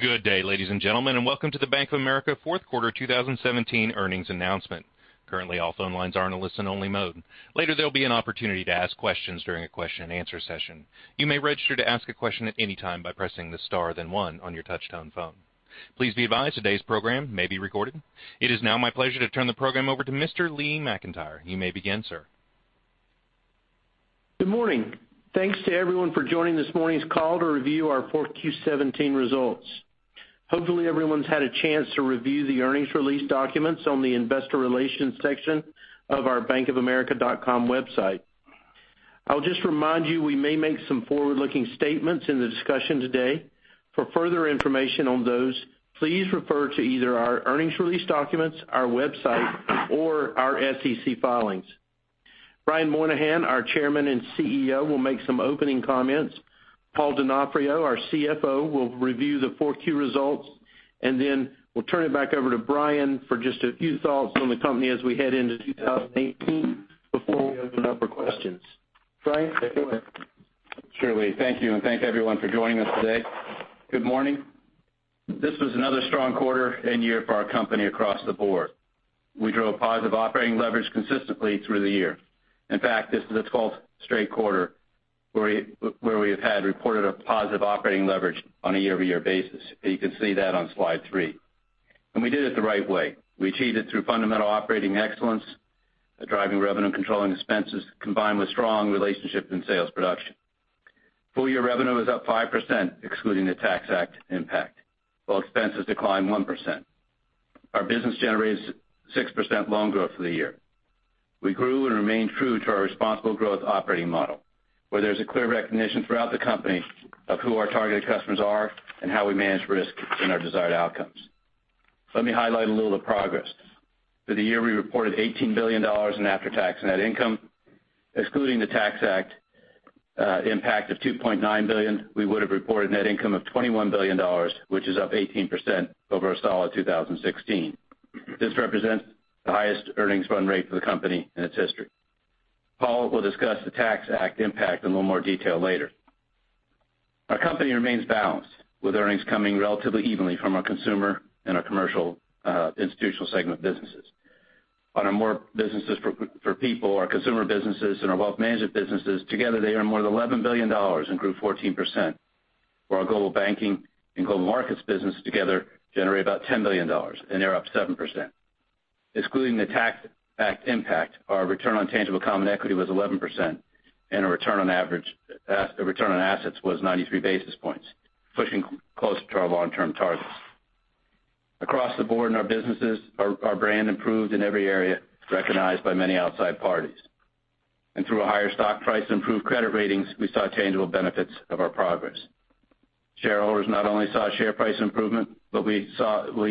Good day, ladies and gentlemen, and welcome to the Bank of America fourth quarter 2017 earnings announcement. Currently, all phone lines are in a listen-only mode. Later, there'll be an opportunity to ask questions during a question and answer session. You may register to ask a question at any time by pressing the star, then one on your touch-tone phone. Please be advised, today's program may be recorded. It is now my pleasure to turn the program over to Mr. Lee McEntire. You may begin, sir. Good morning. Thanks to everyone for joining this morning's call to review our fourth Q17 results. Hopefully, everyone's had a chance to review the earnings release documents on the investor relations section of our bankofamerica.com website. I'll just remind you, we may make some forward-looking statements in the discussion today. For further information on those, please refer to either our earnings release documents, our website, or our SEC filings. Brian Moynihan, our Chairman and CEO, will make some opening comments. Paul Donofrio, our CFO, will review the fourth Q results, then we'll turn it back over to Brian for just a few thoughts on the company as we head into 2018 before we open up for questions. Brian, take it away. Sure, Lee. Thank you, and thank everyone for joining us today. Good morning. This was another strong quarter and year for our company across the board. We drove positive operating leverage consistently through the year. In fact, this is the 12th straight quarter where we have had reported a positive operating leverage on a year-over-year basis. You can see that on slide three. We did it the right way. We achieved it through fundamental operating excellence, driving revenue, controlling expenses, combined with strong relationships and sales production. Full-year revenue was up 5%, excluding the Tax Act impact, while expenses declined 1%. Our business generated 6% loan growth for the year. We grew and remained true to our responsible growth operating model, where there's a clear recognition throughout the company of who our targeted customers are and how we manage risk in our desired outcomes. Let me highlight a little of the progress. For the year, we reported $18 billion in after-tax net income. Excluding the Tax Act impact of $2.9 billion, we would have reported net income of $21 billion, which is up 18% over a solid 2016. This represents the highest earnings run rate for the company in its history. Paul will discuss the Tax Act impact in a little more detail later. Our company remains balanced, with earnings coming relatively evenly from our consumer and our commercial institutional segment businesses. On our more businesses for people, our consumer businesses and our wealth management businesses, together, they earn more than $11 billion and grew 14%. While our Global Banking and Global Markets business together generate about $10 billion, they're up 7%. Excluding the Tax Act impact, our return on tangible common equity was 11%, and our return on assets was 93 basis points, pushing closer to our long-term targets. Across the board in our businesses, our brand improved in every area, recognized by many outside parties. Through a higher stock price and improved credit ratings, we saw tangible benefits of our progress. Shareholders not only saw share price improvement, but we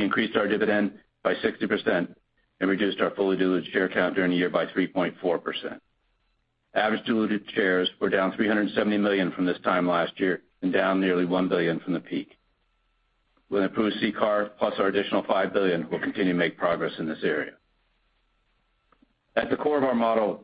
increased our dividend by 60% and reduced our fully diluted share count during the year by 3.4%. Average diluted shares were down $370 million from this time last year and down nearly $1 billion from the peak. With an approved CCAR, plus our additional $5 billion, we'll continue to make progress in this area. At the core of our model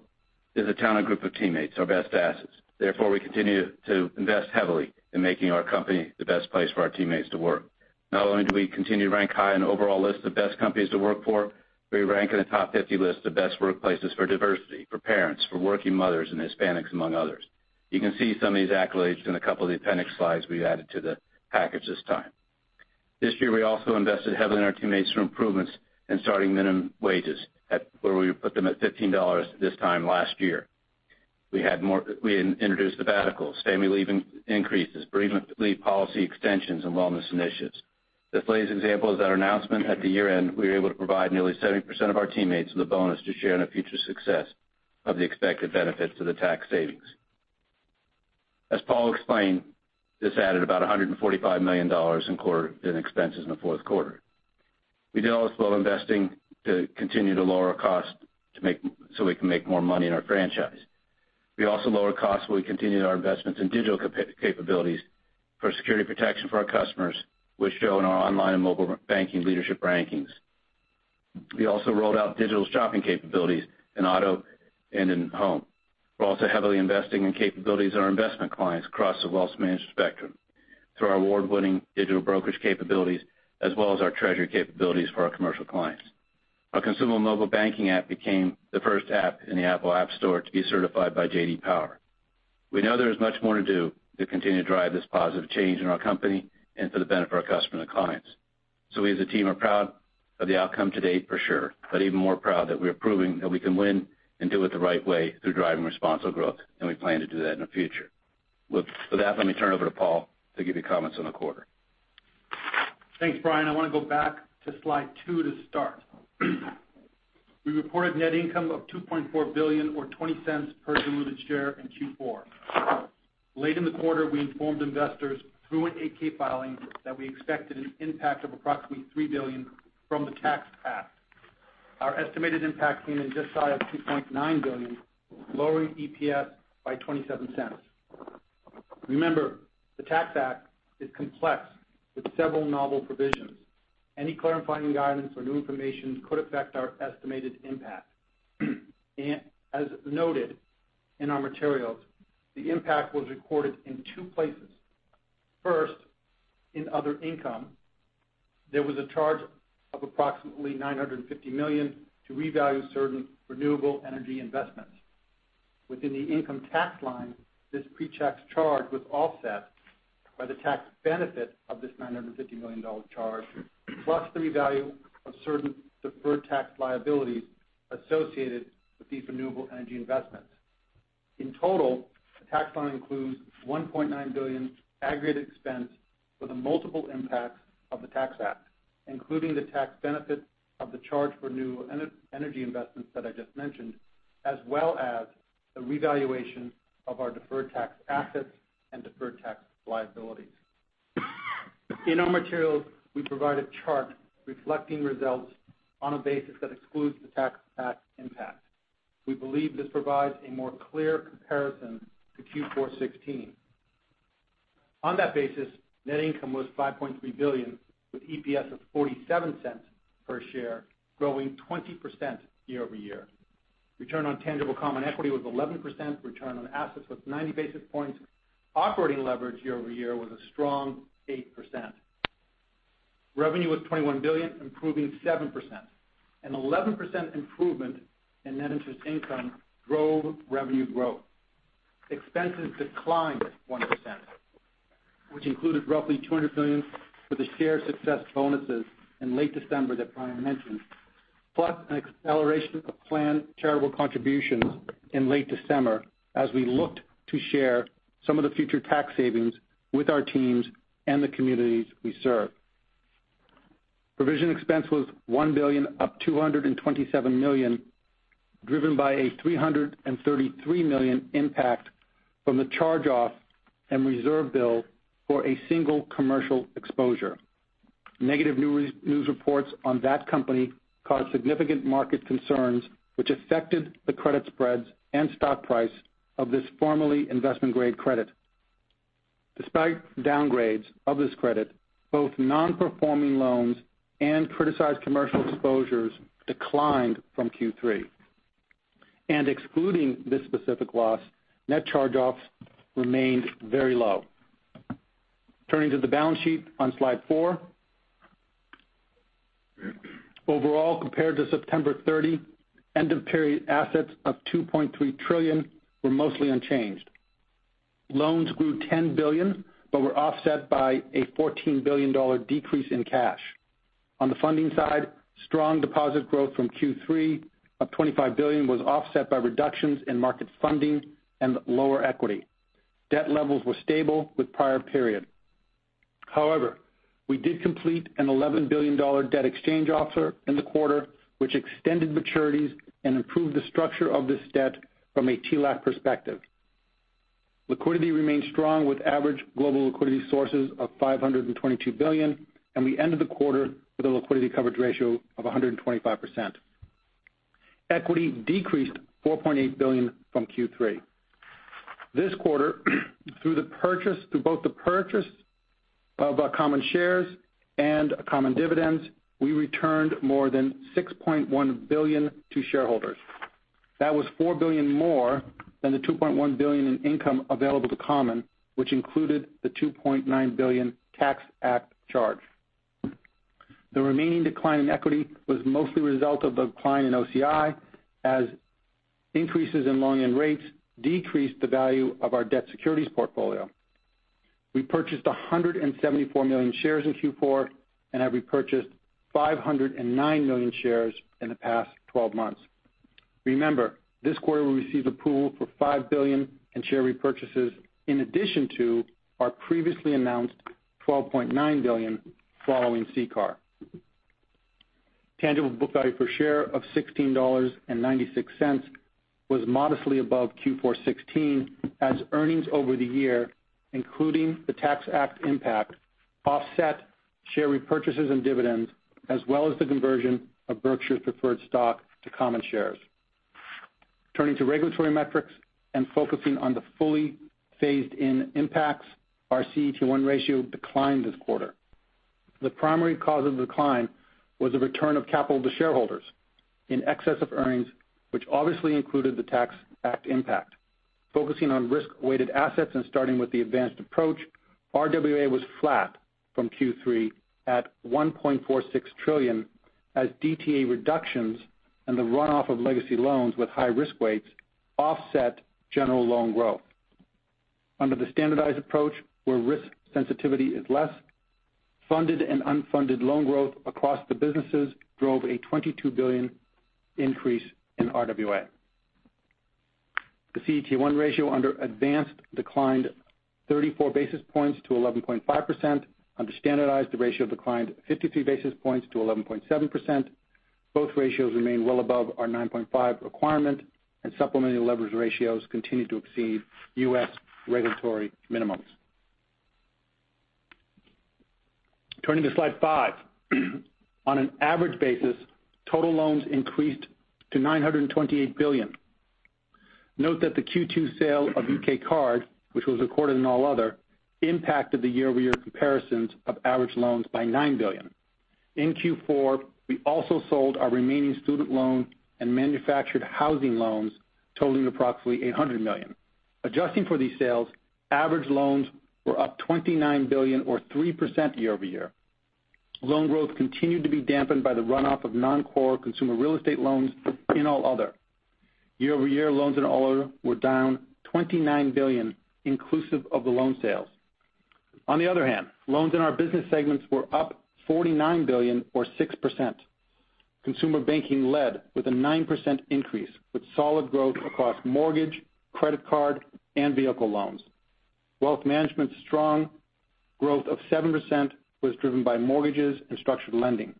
is a talented group of teammates, our best assets. We continue to invest heavily in making our company the best place for our teammates to work. Not only do we continue to rank high on overall lists of best companies to work for, we rank in the top 50 list of best workplaces for diversity, for parents, for working mothers, and Hispanics, among others. You can see some of these accolades in a couple of the appendix slides we've added to the package this time. This year, we also invested heavily in our teammates for improvements in starting minimum wages where we put them at $15 this time last year. We introduced sabbaticals, family leave increases, bereavement leave policy extensions, and wellness initiatives. This lays examples at our announcement at the year-end, we were able to provide nearly 70% of our teammates with a bonus to share in the future success of the expected benefits of the tax savings. As Paul explained, this added about $145 million in expenses in the fourth quarter. We did all this while investing to continue to lower our cost so we can make more money in our franchise. We also lowered costs while we continued our investments in digital capabilities for security protection for our customers, which show in our online and mobile banking leadership rankings. We also rolled out digital shopping capabilities in auto and in home. We're also heavily investing in capabilities of our investment clients across the wealth management spectrum through our award-winning digital brokerage capabilities, as well as our treasury capabilities for our commercial clients. Our consumer mobile banking app became the first app in the Apple App Store to be certified by J.D. Power. We know there is much more to do to continue to drive this positive change in our company and for the benefit of our customers and clients. We, as a team, are proud of the outcome to date for sure, but even more proud that we are proving that we can win and do it the right way through driving responsible growth, and we plan to do that in the future. With that, let me turn it over to Paul to give you comments on the quarter. Thanks, Brian. I want to go back to slide two to start. We reported net income of $2.4 billion or $0.20 per diluted share in Q4. Late in the quarter, we informed investors through an 8-K filing that we expected an impact of approximately $3 billion from the Tax Act. Our estimated impact came in just shy of $2.9 billion, lowering EPS by $0.27. Remember, the Tax Act is complex with several novel provisions Any clarifying guidance or new information could affect our estimated impact. As noted in our materials, the impact was recorded in two places. First, in other income, there was a charge of approximately $950 million to revalue certain renewable energy investments. Within the income tax line, this pre-tax charge was offset by the tax benefit of this $950 million charge, plus the value of certain deferred tax liabilities associated with these renewable energy investments. In total, the tax line includes $1.9 billion aggregate expense for the multiple impacts of the Tax Act, including the tax benefit of the charge for renewable energy investments that I just mentioned, as well as the revaluation of our deferred tax assets and deferred tax liabilities. In our materials, we provide a chart reflecting results on a basis that excludes the Tax Act impact. We believe this provides a more clear comparison to Q4 2016. On that basis, net income was $5.3 billion, with EPS of $0.47 per share, growing 20% year-over-year. Return on tangible common equity was 11%. Return on assets was 90 basis points. Operating leverage year-over-year was a strong 8%. Revenue was $21 billion, improving 7%. An 11% improvement in net interest income drove revenue growth. Expenses declined 1%, which included roughly $200 million for the share success bonuses in late December that Brian mentioned, plus an acceleration of planned charitable contributions in late December, as we looked to share some of the future tax savings with our teams and the communities we serve. Provision expense was $1 billion, up $227 million, driven by a $333 million impact from the charge-off and reserve build for a single commercial exposure. Negative news reports on that company caused significant market concerns, which affected the credit spreads and stock price of this formerly investment-grade credit. Despite downgrades of this credit, both non-performing loans and criticized commercial exposures declined from Q3. Excluding this specific loss, net charge-offs remained very low. Turning to the balance sheet on slide four. Overall, compared to September 30, end-of-period assets of $2.3 trillion were mostly unchanged. Loans grew $10 billion but were offset by a $14 billion decrease in cash. On the funding side, strong deposit growth from Q3 of $25 billion was offset by reductions in market funding and lower equity. Debt levels were stable with prior period. However, we did complete an $11 billion debt exchange offer in the quarter, which extended maturities and improved the structure of this debt from a TLAC perspective. Liquidity remains strong, with average global liquidity sources of $522 billion, and we ended the quarter with a liquidity coverage ratio of 125%. Equity decreased $4.8 billion from Q3. This quarter, through both the purchase of our common shares and common dividends, we returned more than $6.1 billion to shareholders. That was $4 billion more than the $2.1 billion in income available to common, which included the $2.9 billion Tax Act charge. The remaining decline in equity was mostly a result of the decline in OCI, as increases in loan end rates decreased the value of our debt securities portfolio. We purchased 174 million shares in Q4 and have repurchased 509 million shares in the past 12 months. Remember, this quarter we received the pull for $5 billion in share repurchases in addition to our previously announced $12.9 billion following CCAR. Tangible book value per share of $16.96 was modestly above Q4 2016 as earnings over the year, including the Tax Act impact, offset share repurchases and dividends, as well as the conversion of Berkshire's preferred stock to common shares. Turning to regulatory metrics and focusing on the fully phased-in impacts, our CET1 ratio declined this quarter. The primary cause of the decline was a return of capital to shareholders in excess of earnings, which obviously included the Tax Act impact. Focusing on risk-weighted assets and starting with the advanced approach, RWA was flat from Q3 at $1.46 trillion as DTA reductions and the runoff of legacy loans with high risk weights offset general loan growth. Under the standardized approach, where risk sensitivity is less, funded and unfunded loan growth across the businesses drove a $22 billion increase in RWA. The CET1 ratio under advanced declined 34 basis points to 11.5%. Under standardized, the ratio declined 53 basis points to 11.7%. Both ratios remain well above our 9.5% requirement, and supplementary leverage ratios continue to exceed U.S. regulatory minimums. Turning to slide five. On an average basis, total loans increased to $928 billion. Note that the Q2 sale of UK card, which was recorded in all other, impacted the year-over-year comparisons of average loans by $9 billion. In Q4, we also sold our remaining student loan and manufactured housing loans totaling approximately $800 million. Adjusting for these sales, average loans were up $29 billion or 3% year-over-year. Loan growth continued to be dampened by the runoff of non-core consumer real estate loans in all other. Year-over-year loans in all other were down $29 billion, inclusive of the loan sales. On the other hand, loans in our business segments were up $49 billion or 6%. Consumer Banking led with a 9% increase, with solid growth across mortgage, credit card, and vehicle loans. Wealth management's strong growth of 7% was driven by mortgages and structured lending.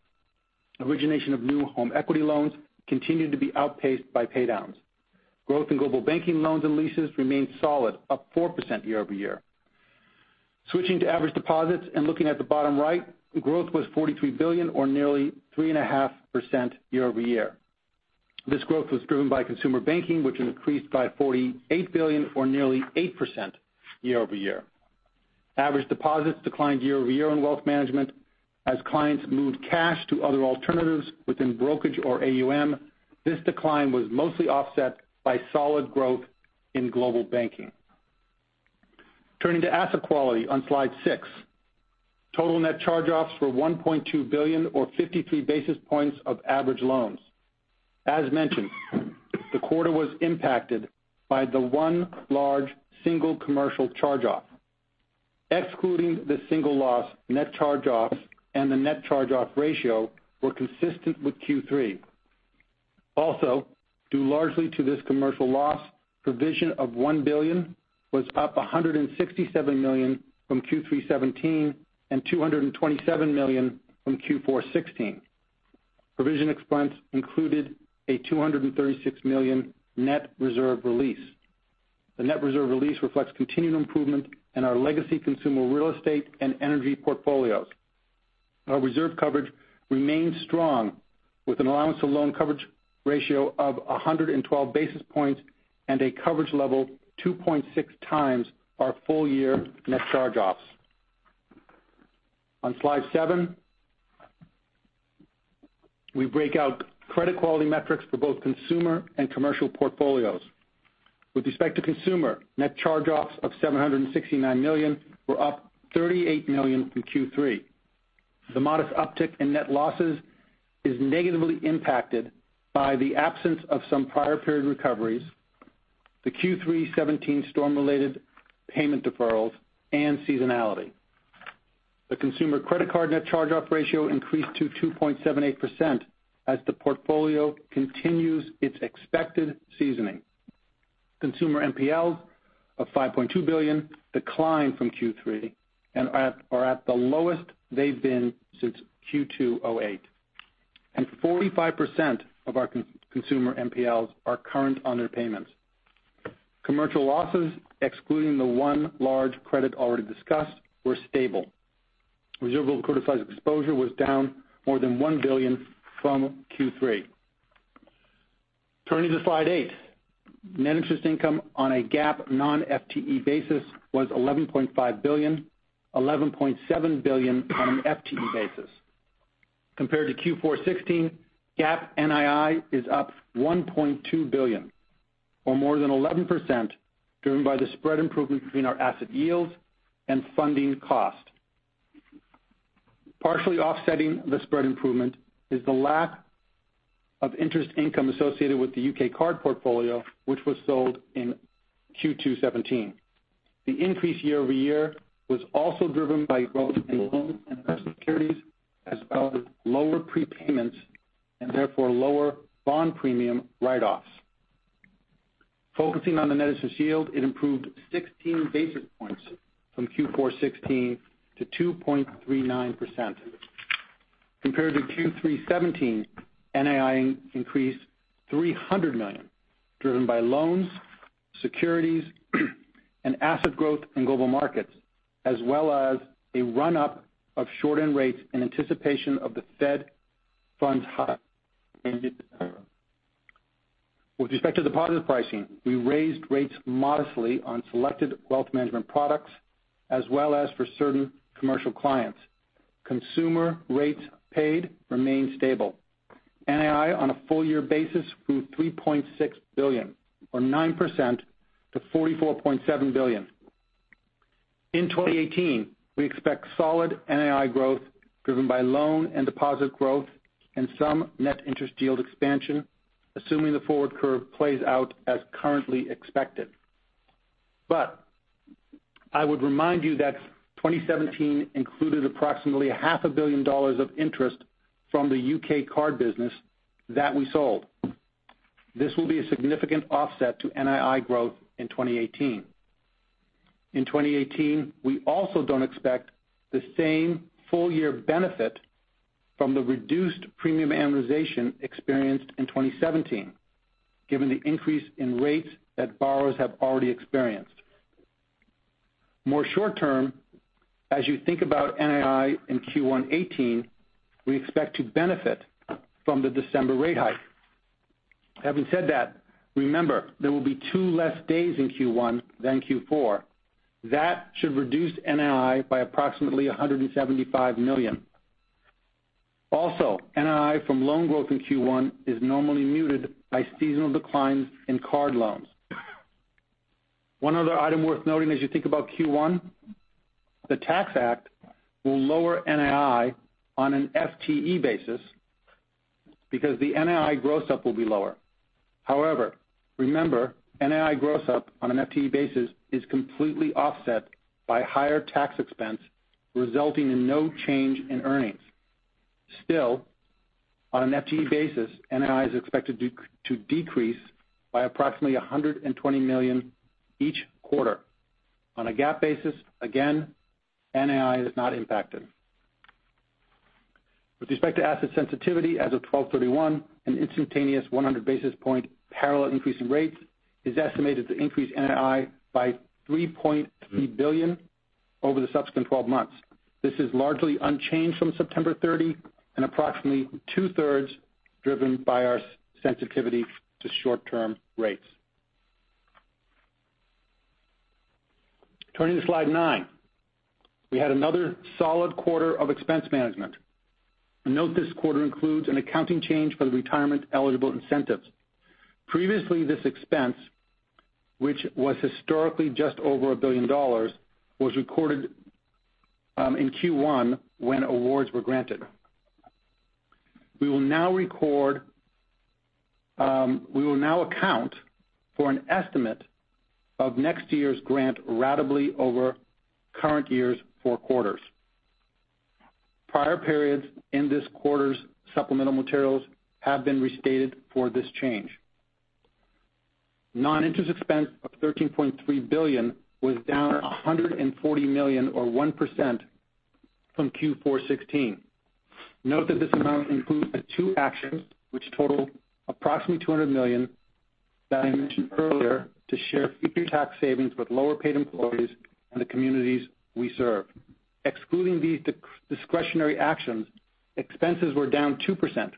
Origination of new home equity loans continued to be outpaced by paydowns. Growth in Global Banking loans and leases remained solid, up 4% year-over-year. Switching to average deposits and looking at the bottom right, growth was $43 billion or nearly 3.5% year-over-year. This growth was driven by Consumer Banking, which increased by $48 billion or nearly 8% year-over-year. Average deposits declined year-over-year on wealth management as clients moved cash to other alternatives within brokerage or AUM. This decline was mostly offset by solid growth in Global Banking. Turning to asset quality on slide six. Total net charge-offs were $1.2 billion or 53 basis points of average loans. As mentioned, the quarter was impacted by the one large single commercial charge-off. Excluding the single loss, net charge-offs and the net charge-off ratio were consistent with Q3. Due largely to this commercial loss, provision of $1 billion was up $167 million from Q3 2017 and $227 million from Q4 2016. Provision expense included a $236 million net reserve release. The net reserve release reflects continued improvement in our legacy consumer real estate and energy portfolios. Our reserve coverage remains strong, with an allowance to loan coverage ratio of 112 basis points and a coverage level 2.6 times our full year net charge-offs. On slide seven, we break out credit quality metrics for both consumer and commercial portfolios. With respect to consumer, net charge-offs of $769 million were up $38 million from Q3. The modest uptick in net losses is negatively impacted by the absence of some prior period recoveries, the Q3 2017 storm-related payment deferrals, and seasonality. The consumer credit card net charge-off ratio increased to 2.78% as the portfolio continues its expected seasoning. Consumer NPLs of $5.2 billion declined from Q3 and are at the lowest they've been since Q2 2008. 45% of our consumer NPLs are current on their payments. Commercial losses, excluding the one large credit already discussed, were stable. Reservable criticized exposure was down more than $1 billion from Q3. Turning to slide eight. Net interest income on a GAAP non-FTE basis was $11.5 billion, $11.7 billion on an FTE basis. Compared to Q4 2016, GAAP NII is up $1.2 billion or more than 11%, driven by the spread improvement between our asset yields and funding cost. Partially offsetting the spread improvement is the lack of interest income associated with the U.K. card portfolio, which was sold in Q2 2017. The increase year-over-year was also driven by growth in loans and risk securities as well as lower prepayments, and therefore lower bond premium write-offs. Focusing on the net interest yield, it improved 16 basis points from Q4 2016 to 2.39%. Compared to Q3 2017, NII increased $300 million, driven by loans, securities, and asset growth in Global Markets, as well as a run-up of short-end rates in anticipation of the Fed funds hike in mid-December. With respect to deposit pricing, we raised rates modestly on selected wealth management products as well as for certain commercial clients. Consumer rates paid remain stable. NII on a full year basis grew $3.6 billion or 9% to $44.7 billion. In 2018, we expect solid NII growth driven by loan and deposit growth and some net interest yield expansion, assuming the forward curve plays out as currently expected. I would remind you that 2017 included approximately half a billion dollars of interest from the U.K. card business that we sold. This will be a significant offset to NII growth in 2018. In 2018, we also don't expect the same full-year benefit from the reduced premium amortization experienced in 2017, given the increase in rates that borrowers have already experienced. More short term, as you think about NII in Q1 2018, we expect to benefit from the December rate hike. Having said that, remember, there will be two less days in Q1 than Q4. That should reduce NII by approximately $175 million. NII from loan growth in Q1 is normally muted by seasonal declines in card loans. One other item worth noting as you think about Q1, the Tax Act will lower NII on an FTE basis because the NII gross up will be lower. However, remember, NII gross up on an FTE basis is completely offset by higher tax expense, resulting in no change in earnings. Still, on an FTE basis, NII is expected to decrease by approximately $120 million each quarter. On a GAAP basis, again, NII is not impacted. With respect to asset sensitivity as of 12/31, an instantaneous 100 basis point parallel increase in rates is estimated to increase NII by $3.3 billion over the subsequent 12 months. This is largely unchanged from September 30 and approximately two-thirds driven by our sensitivity to short-term rates. Turning to slide nine. We had another solid quarter of expense management. Note this quarter includes an accounting change for the retirement-eligible incentives. Previously, this expense, which was historically just over one billion dollars, was recorded in Q1 when awards were granted. We will now account for an estimate of next year's grant ratably over current year's four quarters. Prior periods in this quarter's supplemental materials have been restated for this change. Non-interest expense of $13.3 billion was down $140 million or 1% from Q4 '16. Note that this amount includes the two actions which total approximately $200 million that I mentioned earlier to share future tax savings with lower-paid employees and the communities we serve. Excluding these discretionary actions, expenses were down 2%.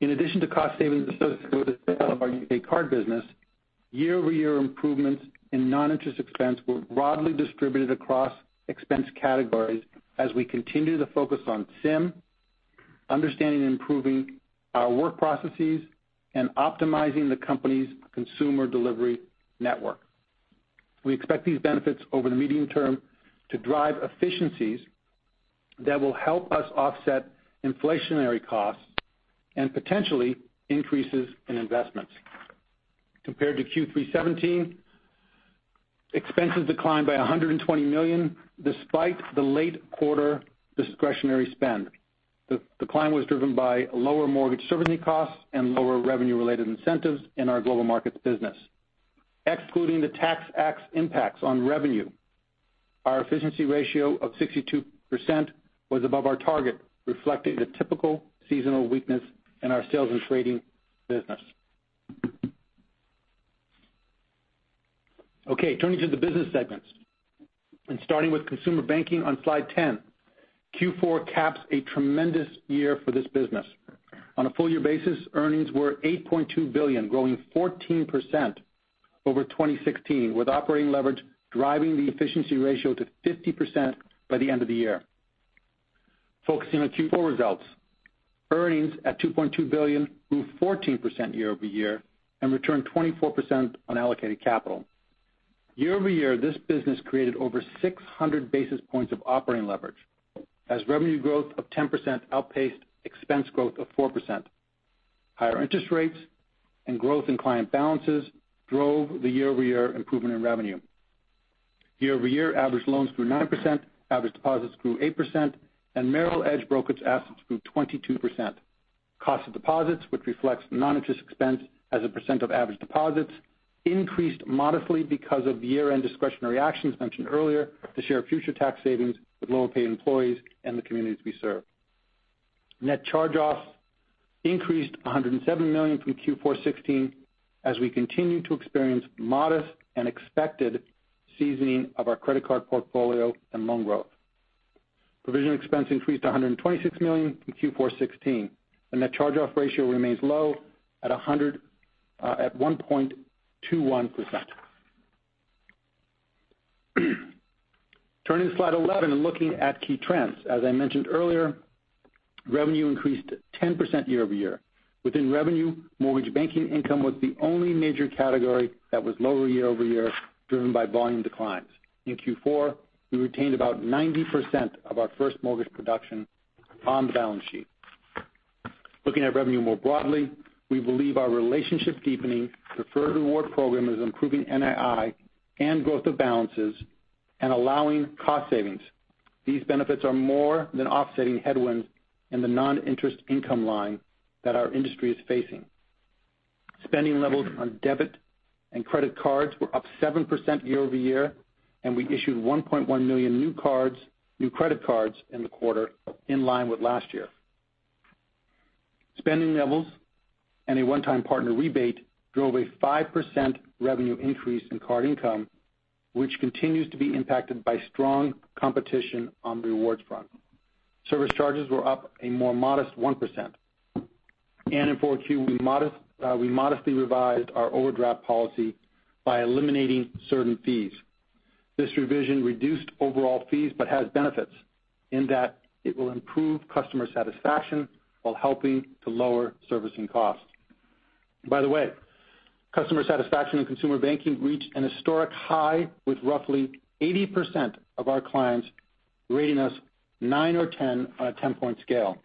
In addition to cost savings associated with the sale of our U.K. card business, year-over-year improvements in non-interest expense were broadly distributed across expense categories as we continue to focus on SIM, understanding and improving our work processes, and optimizing the company's consumer delivery network. We expect these benefits over the medium term to drive efficiencies that will help us offset inflationary costs and potentially increases in investments. Compared to Q3 '17, expenses declined by $120 million despite the late quarter discretionary spend. The decline was driven by lower mortgage servicing costs and lower revenue-related incentives in our Global Markets business. Excluding the Tax Act's impacts on revenue, our efficiency ratio of 62% was above our target, reflecting the typical seasonal weakness in our sales and trading business. Turning to the business segments and starting with Consumer Banking on slide 10. Q4 caps a tremendous year for this business. On a full-year basis, earnings were $8.2 billion, growing 14% over 2016, with operating leverage driving the efficiency ratio to 50% by the end of the year. Focusing on Q4 results. Earnings at $2.2 billion grew 14% year-over-year and returned 24% on allocated capital. Year-over-year, this business created over 600 basis points of operating leverage as revenue growth of 10% outpaced expense growth of 4%. Higher interest rates and growth in client balances drove the year-over-year improvement in revenue. Year-over-year, average loans grew 9%, average deposits grew 8%, and Merrill Edge brokerage assets grew 22%. Cost of deposits, which reflects non-interest expense as a percent of average deposits, increased modestly because of year-end discretionary actions mentioned earlier to share future tax savings with lower-paid employees and the communities we serve. Net charge-offs increased $107 million from Q4 '16, as we continue to experience modest and expected seasoning of our credit card portfolio and loan growth. Provision expense increased to $126 million from Q4 '16, and net charge-off ratio remains low at 1.21%. Turning to slide 11 and looking at key trends. As I mentioned earlier, revenue increased 10% year-over-year. Within revenue, mortgage banking income was the only major category that was lower year-over-year, driven by volume declines. In Q4, we retained about 90% of our first mortgage production on the balance sheet. Looking at revenue more broadly, we believe our relationship deepening Preferred Rewards program is improving NII and growth of balances and allowing cost savings. These benefits are more than offsetting headwinds in the non-interest income line that our industry is facing. Spending levels on debit and credit cards were up 7% year-over-year, and we issued 1.1 million new credit cards in the quarter, in line with last year. Spending levels and a one-time partner rebate drove a 5% revenue increase in card income, which continues to be impacted by strong competition on the rewards front. Service charges were up a more modest 1%. In Q4, we modestly revised our overdraft policy by eliminating certain fees. This revision reduced overall fees but has benefits in that it will improve customer satisfaction while helping to lower servicing costs. By the way, customer satisfaction in Consumer Banking reached an historic high, with roughly 80% of our clients rating us nine or 10 on a 10-point scale.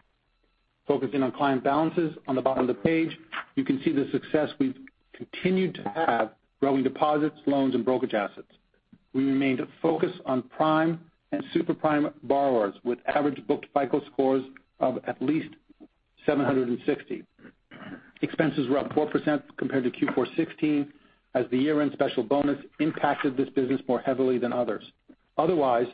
Focusing on client balances, on the bottom of the page, you can see the success we've continued to have growing deposits, loans, and brokerage assets. We remained focused on prime and super prime borrowers with average booked FICO scores of at least 760. Expenses were up 4% compared to Q4 2016 as the year-end special bonus impacted this business more heavily than others. Otherwise,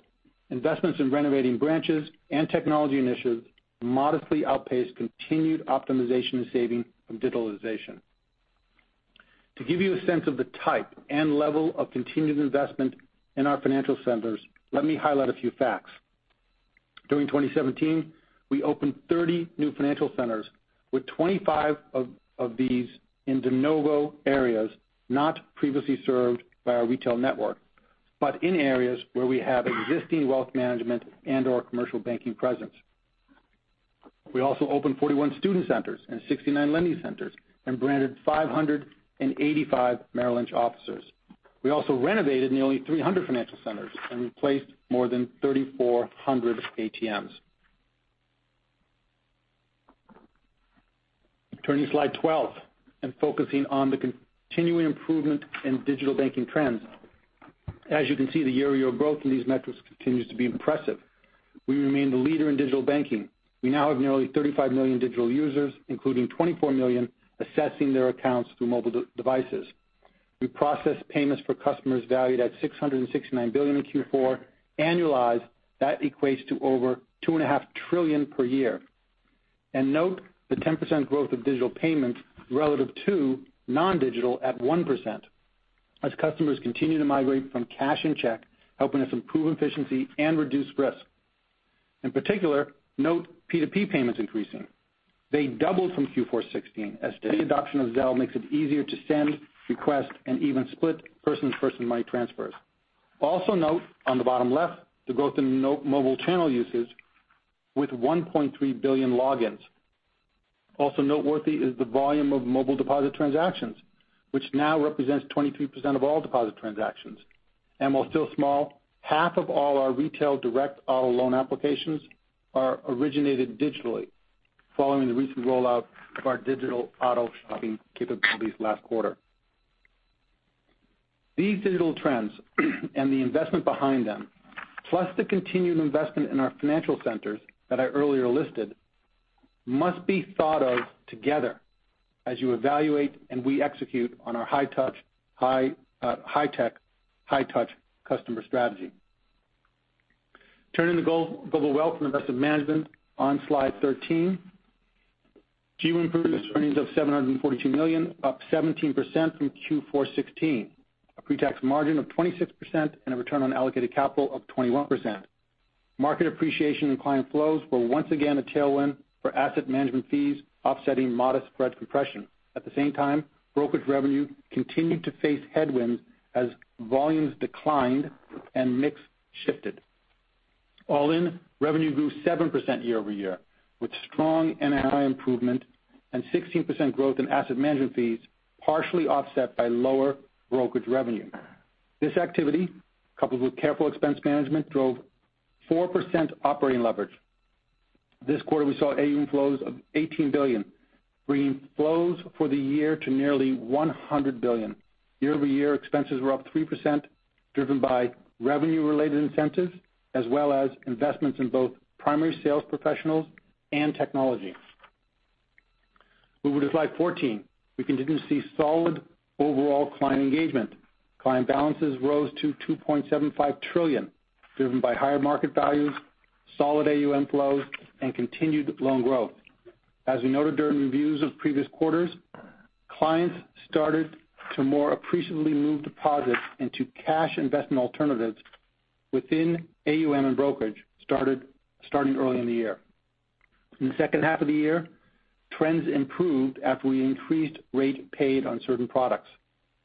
investments in renovating branches and technology initiatives modestly outpaced continued optimization and saving from digitalization. To give you a sense of the type and level of continued investment in our financial centers, let me highlight a few facts. During 2017, we opened 30 new financial centers, with 25 of these in de novo areas not previously served by our retail network, but in areas where we have existing wealth management and/or commercial banking presence. We also opened 41 student centers and 69 lending centers and branded 585 Merrill Lynch offices. We also renovated nearly 300 financial centers and replaced more than 3,400 ATMs. Turning to slide 12 and focusing on the continuing improvement in digital banking trends. As you can see, the year-over-year growth in these metrics continues to be impressive. We remain the leader in digital banking. We now have nearly 35 million digital users, including 24 million assessing their accounts through mobile devices. We process payments for customers valued at $669 billion in Q4. Annualized, that equates to over $2.5 trillion per year. Note the 10% growth of digital payments relative to non-digital at 1%, as customers continue to migrate from cash and check, helping us improve efficiency and reduce risk. In particular, note P2P payments increasing. They doubled from Q4 2016 as the adoption of Zelle makes it easier to send, request, and even split person-to-person money transfers. Also note on the bottom left, the growth in mobile channel usage with 1.3 billion logins. Also noteworthy is the volume of mobile deposit transactions, which now represents 23% of all deposit transactions. While still small, half of all our retail direct auto loan applications are originated digitally following the recent rollout of our digital auto shopping capabilities last quarter. These digital trends and the investment behind them, plus the continued investment in our financial centers that I earlier listed, must be thought of together as you evaluate and we execute on our high-tech, high-touch customer strategy. Turning to Global Wealth and Investment Management on slide 13. Q4 improved its earnings of $742 million, up 17% from Q4 2016, a pre-tax margin of 26% and a return on allocated capital of 21%. Market appreciation and client flows were once again a tailwind for asset management fees, offsetting modest spread compression. At the same time, brokerage revenue continued to face headwinds as volumes declined and mix shifted. All in, revenue grew 7% year-over-year, with strong NII improvement and 16% growth in asset management fees, partially offset by lower brokerage revenue. This activity, coupled with careful expense management, drove 4% operating leverage. This quarter, we saw AUM flows of $18 billion, bringing flows for the year to nearly $100 billion. Year-over-year, expenses were up 3%, driven by revenue-related incentives, as well as investments in both primary sales professionals and technology. Moving to slide 14. We continue to see solid overall client engagement. Client balances rose to $2.75 trillion, driven by higher market values, solid AUM flows, and continued loan growth. As we noted during reviews of previous quarters, clients started to more appreciably move deposits into cash investment alternatives within AUM and brokerage, starting early in the year. In the second half of the year, trends improved after we increased rate paid on certain products.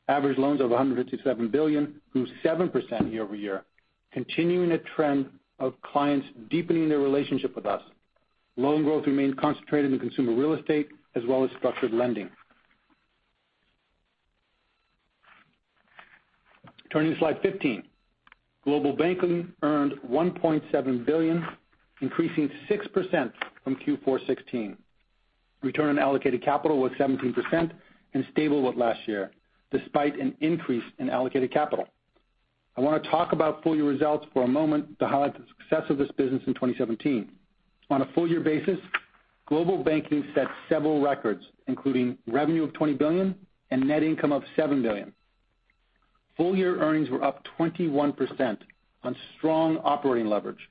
Average loans of $157 billion grew 7% year-over-year, continuing a trend of clients deepening their relationship with us. Loan growth remained concentrated in consumer real estate as well as structured lending. Turning to slide 15. Global Banking earned $1.7 billion, increasing 6% from Q4 2016. Return on allocated capital was 17% and stable with last year, despite an increase in allocated capital. I want to talk about full-year results for a moment to highlight the success of this business in 2017. On a full-year basis, Global Banking set several records, including revenue of $20 billion and net income of $7 billion. Full year earnings were up 21% on strong operating leverage.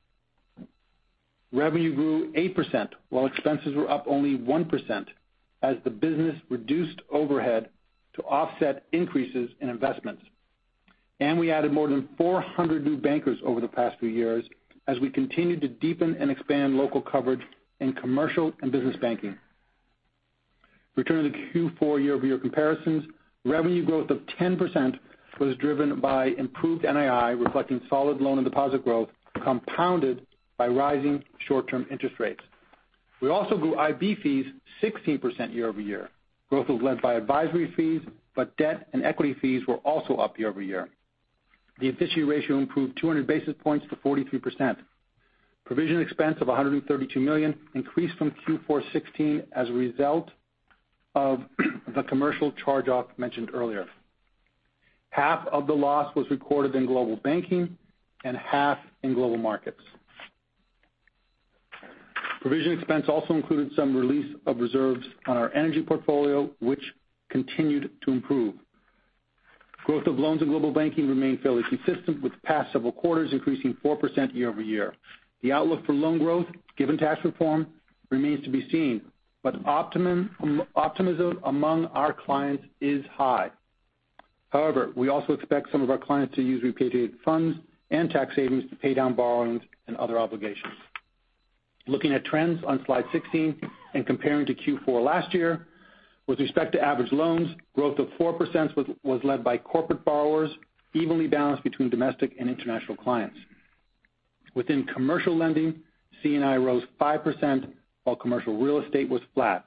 Revenue grew 8%, while expenses were up only 1% as the business reduced overhead to offset increases in investments. We added more than 400 new bankers over the past few years as we continued to deepen and expand local coverage in commercial and business banking. Returning to Q4 year-over-year comparisons, revenue growth of 10% was driven by improved NII, reflecting solid loan and deposit growth, compounded by rising short-term interest rates. We also grew IB fees 16% year-over-year. Growth was led by advisory fees, Debt and equity fees were also up year-over-year. The efficiency ratio improved 200 basis points to 43%. Provision expense of $132 million increased from Q4 2016 as a result of the commercial charge-off mentioned earlier. Half of the loss was recorded in Global Banking and half in Global Markets. Provision expense also included some release of reserves on our energy portfolio, which continued to improve. Growth of loans in Global Banking remained fairly consistent with the past several quarters, increasing 4% year-over-year. The outlook for loan growth, given Tax Reform, remains to be seen, but optimism among our clients is high. We also expect some of our clients to use repatriated funds and tax savings to pay down borrowings and other obligations. Looking at trends on slide 16 and comparing to Q4 last year, with respect to average loans, growth of 4% was led by corporate borrowers, evenly balanced between domestic and international clients. Within commercial lending, C&I rose 5%, while commercial real estate was flat.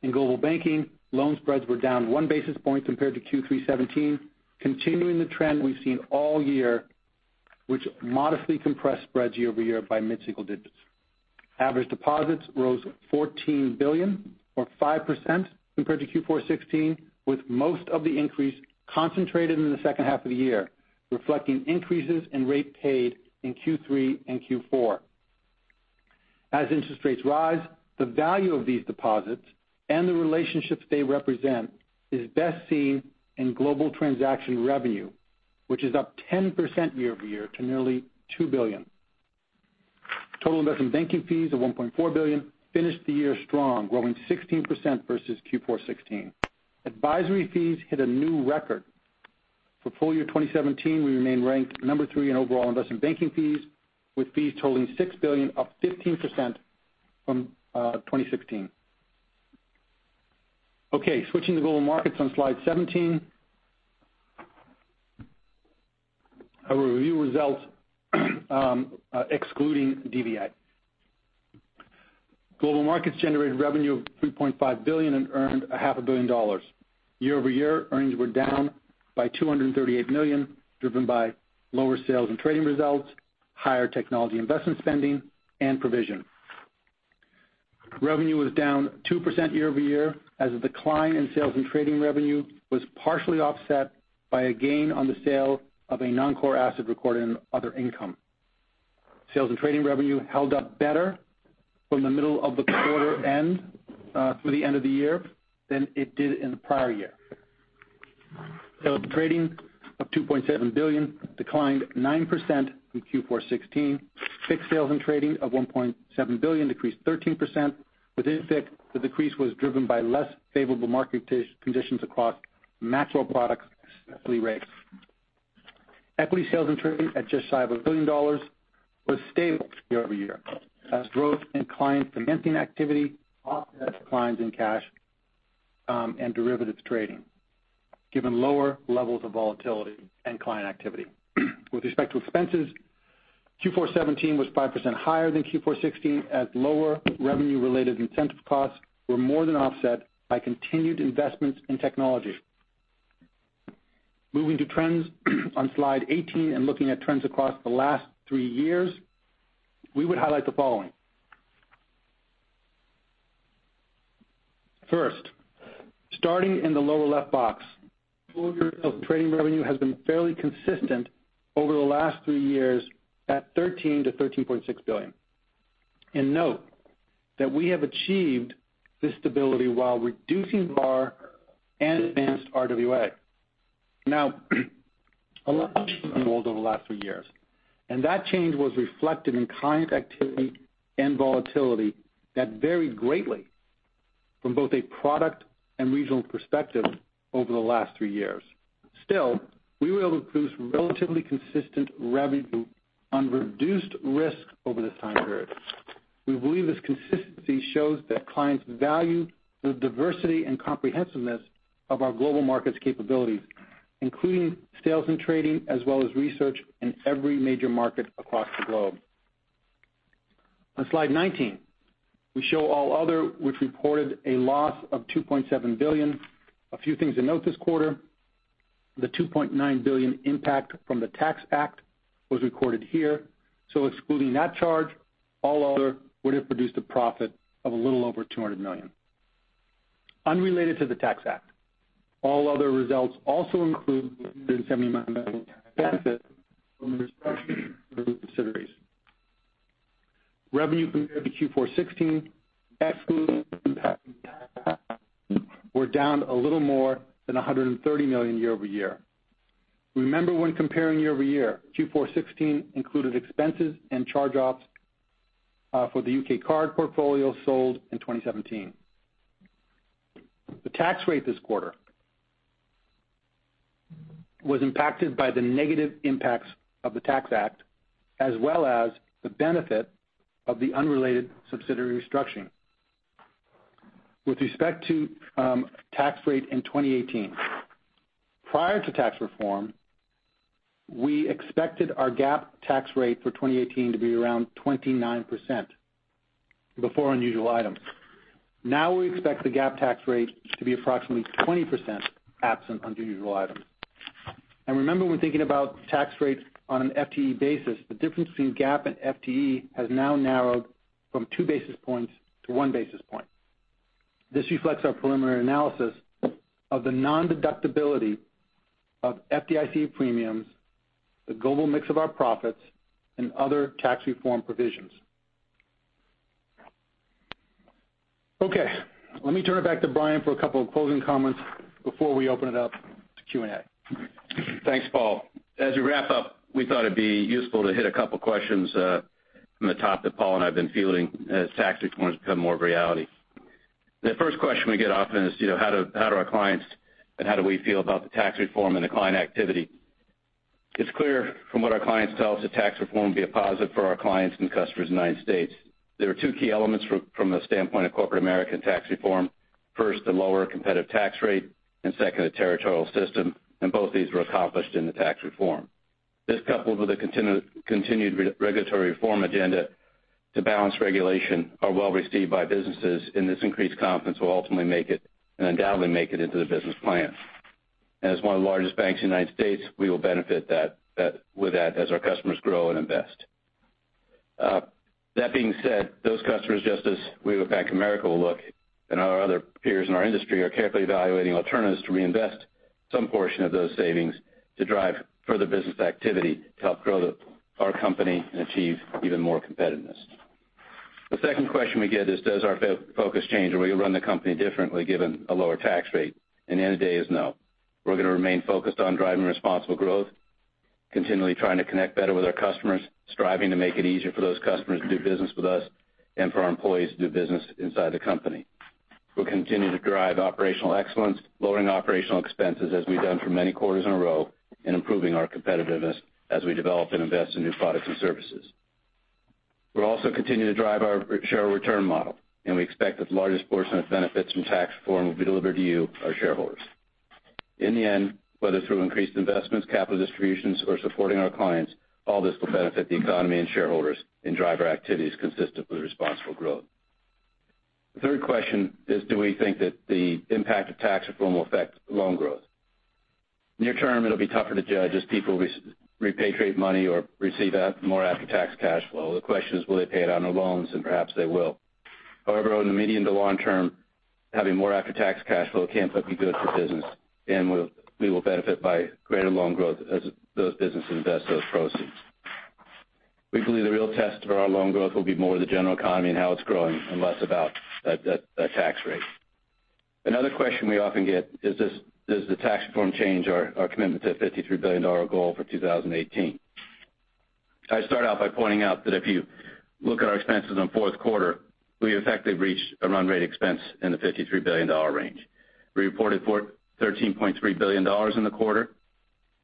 In Global Banking, loan spreads were down one basis point compared to Q3 2017, continuing the trend we've seen all year, which modestly compressed spreads year-over-year by mid-single digits. Average deposits rose $14 billion, or 5%, compared to Q4 2016, with most of the increase concentrated in the second half of the year, reflecting increases in rate paid in Q3 and Q4. As interest rates rise, the value of these deposits and the relationships they represent is best seen in global transaction revenue, which is up 10% year-over-year to nearly $2 billion. Total investment banking fees of $1.4 billion finished the year strong, growing 16% versus Q4 2016. Advisory fees hit a new record. For full year 2017, we remain ranked number three in overall investment banking fees, with fees totaling $6 billion, up 15% from 2016. Switching to Global Markets on slide 17. I will review results excluding DVA. Global Markets generated revenue of $3.5 billion and earned a half a billion dollars. Year-over-year earnings were down by $238 million, driven by lower sales and trading results, higher technology investment spending, and provision. Revenue was down 2% year-over-year as the decline in sales and trading revenue was partially offset by a gain on the sale of a non-core asset recorded in other income. Sales and trading revenue held up better from the middle of the quarter and through the end of the year than it did in the prior year. Sales and trading of $2.7 billion declined 9% from Q4 2016. FICC sales and trading of $1.7 billion decreased 13%. Within FICC, the decrease was driven by less favorable market conditions across macro products particularly rates. Equity sales and trading at just shy of a billion dollars was stable year-over-year as growth in client financing activity offset declines in cash and derivatives trading given lower levels of volatility and client activity. With respect to expenses, Q4 2017 was 5% higher than Q4 2016 as lower revenue-related incentive costs were more than offset by continued investments in technology. Moving to trends on slide 18 and looking at trends across the last three years, we would highlight the following. Starting in the lower left box, full year of trading revenue has been fairly consistent over the last three years at $13 billion to $13.6 billion. Note that we have achieved this stability while reducing VAR and advanced RWA. A lot has changed in the world over the last three years, and that change was reflected in client activity and volatility that varied greatly from both a product and regional perspective over the last three years. Still, we were able to produce relatively consistent revenue on reduced risk over this time period. We believe this consistency shows that clients value the diversity and comprehensiveness of our Global Markets capabilities, including sales and trading, as well as research in every major market across the globe. On slide 19, we show all other, which reported a loss of $2.7 billion. A few things to note this quarter, the $2.9 billion impact from the Tax Act was recorded here, so excluding that charge, all other would have produced a profit of a little over $200 million. Unrelated to the Tax Act, all other results also include the semi-annual tax benefit from the restoration of deferred tax liabilities. Revenue compared to Q4 '16, excluding the impact were down a little more than $130 million year-over-year. Remember when comparing year-over-year, Q4 '16 included expenses and charge-offs for the U.K. card portfolio sold in 2017. The tax rate this quarter was impacted by the negative impacts of the Tax Act, as well as the benefit of the unrelated subsidiary restructuring. With respect to tax rate in 2018. Prior to tax reform, we expected our GAAP tax rate for 2018 to be around 29% before unusual items. Now we expect the GAAP tax rate to be approximately 20% absent unusual items. Remember when thinking about tax rates on an FTE basis, the difference between GAAP and FTE has now narrowed from two basis points to one basis point. This reflects our preliminary analysis of the non-deductibility of FDIC premiums, the global mix of our profits, and other tax reform provisions. Okay, let me turn it back to Brian for a couple of closing comments before we open it up to Q&A. Thanks, Paul. As we wrap up, we thought it'd be useful to hit a couple questions from the top that Paul and I have been fielding as tax reform has become more of a reality. The first question we get often is, how do our clients, and how do we feel about the tax reform and the client activity? It's clear from what our clients tell us that tax reform will be a positive for our clients and customers in the U.S. There are two key elements from the standpoint of Corporate American tax reform. First, the lower competitive tax rate, and second, a territorial system, and both these were accomplished in the tax reform. This, coupled with a continued regulatory reform agenda to balance regulation, are well received by businesses. This increased confidence will ultimately and undoubtedly make it into the business plan. As one of the largest banks in the U.S., we will benefit with that as our customers grow and invest. That being said, those customers, just as we with Bank of America will look, and our other peers in our industry are carefully evaluating alternatives to reinvest some portion of those savings to drive further business activity to help grow our company and achieve even more competitiveness. The second question we get is, does our focus change, or we run the company differently given a lower tax rate? The end of the day is no. We're going to remain focused on driving responsible growth, continually trying to connect better with our customers, striving to make it easier for those customers to do business with us and for our employees to do business inside the company. We'll continue to drive operational excellence, lowering operational expenses as we've done for many quarters in a row, and improving our competitiveness as we develop and invest in new products and services. We'll also continue to drive our share return model, and we expect that the largest portion of benefits from tax reform will be delivered to you, our shareholders. In the end, whether through increased investments, capital distributions, or supporting our clients, all this will benefit the economy and shareholders and drive our activities consistent with responsible growth. The third question is, do we think that the impact of tax reform will affect loan growth? Near term, it'll be tougher to judge as people repatriate money or receive more after-tax cash flow. The question is, will they pay it on their loans? Perhaps they will. However, in the medium to long term, having more after-tax cash flow can't but be good for business. We will benefit by greater loan growth as those businesses invest those proceeds. We believe the real test for our loan growth will be more the general economy and how it's growing, and less about that tax rate. Another question we often get is, does the tax reform change our commitment to the $53 billion goal for 2018? I'd start out by pointing out that if you look at our expenses on fourth quarter, we effectively reached a run rate expense in the $53 billion range. We reported $13.3 billion in the quarter.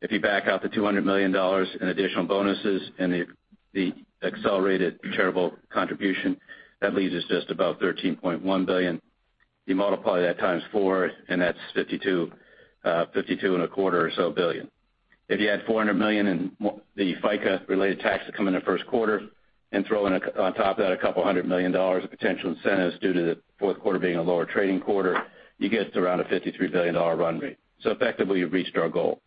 If you back out the $200 million in additional bonuses and the accelerated charitable contribution, that leaves us just above $13.1 billion. You multiply that times four, and that's 52 and a quarter or so billion. If you add $400 million in the FICA-related taxes coming in the first quarter, and throw in on top of that a couple hundred million dollars of potential incentives due to the fourth quarter being a lower trading quarter, you get to around a $53 billion run rate. Effectively, we've reached our goal.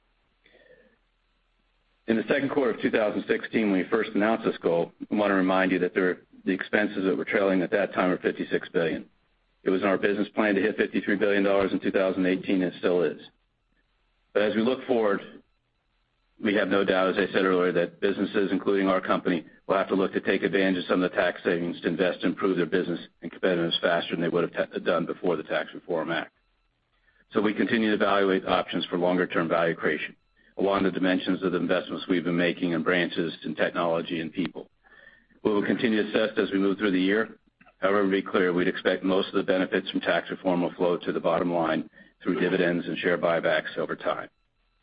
In the second quarter of 2016, when we first announced this goal, I want to remind you that the expenses that we're trailing at that time were $56 billion. It was in our business plan to hit $53 billion in 2018, and it still is. As we look forward, we have no doubt, as I said earlier, that businesses, including our company, will have to look to take advantage of some of the tax savings to invest to improve their business and competitiveness faster than they would have done before the Tax Reform Act. We continue to evaluate options for longer-term value creation along the dimensions of the investments we've been making in branches, in technology, and people. We will continue to assess as we move through the year. However, to be clear, we'd expect most of the benefits from tax reform will flow to the bottom line through dividends and share buybacks over time.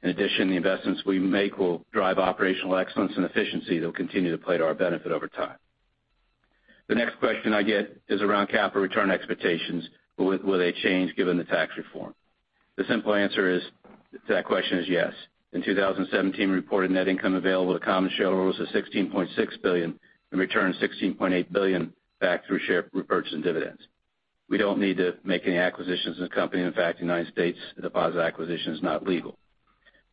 In addition, the investments we make will drive operational excellence and efficiency that will continue to play to our benefit over time. The next question I get is around capital return expectations. Will they change given the tax reform? The simple answer to that question is yes. In 2017, we reported net income available to common shareholders of $16.6 billion and returned $16.8 billion back through share repurchase and dividends. We don't need to make any acquisitions in the company. In fact, in the United States, a deposit acquisition is not legal.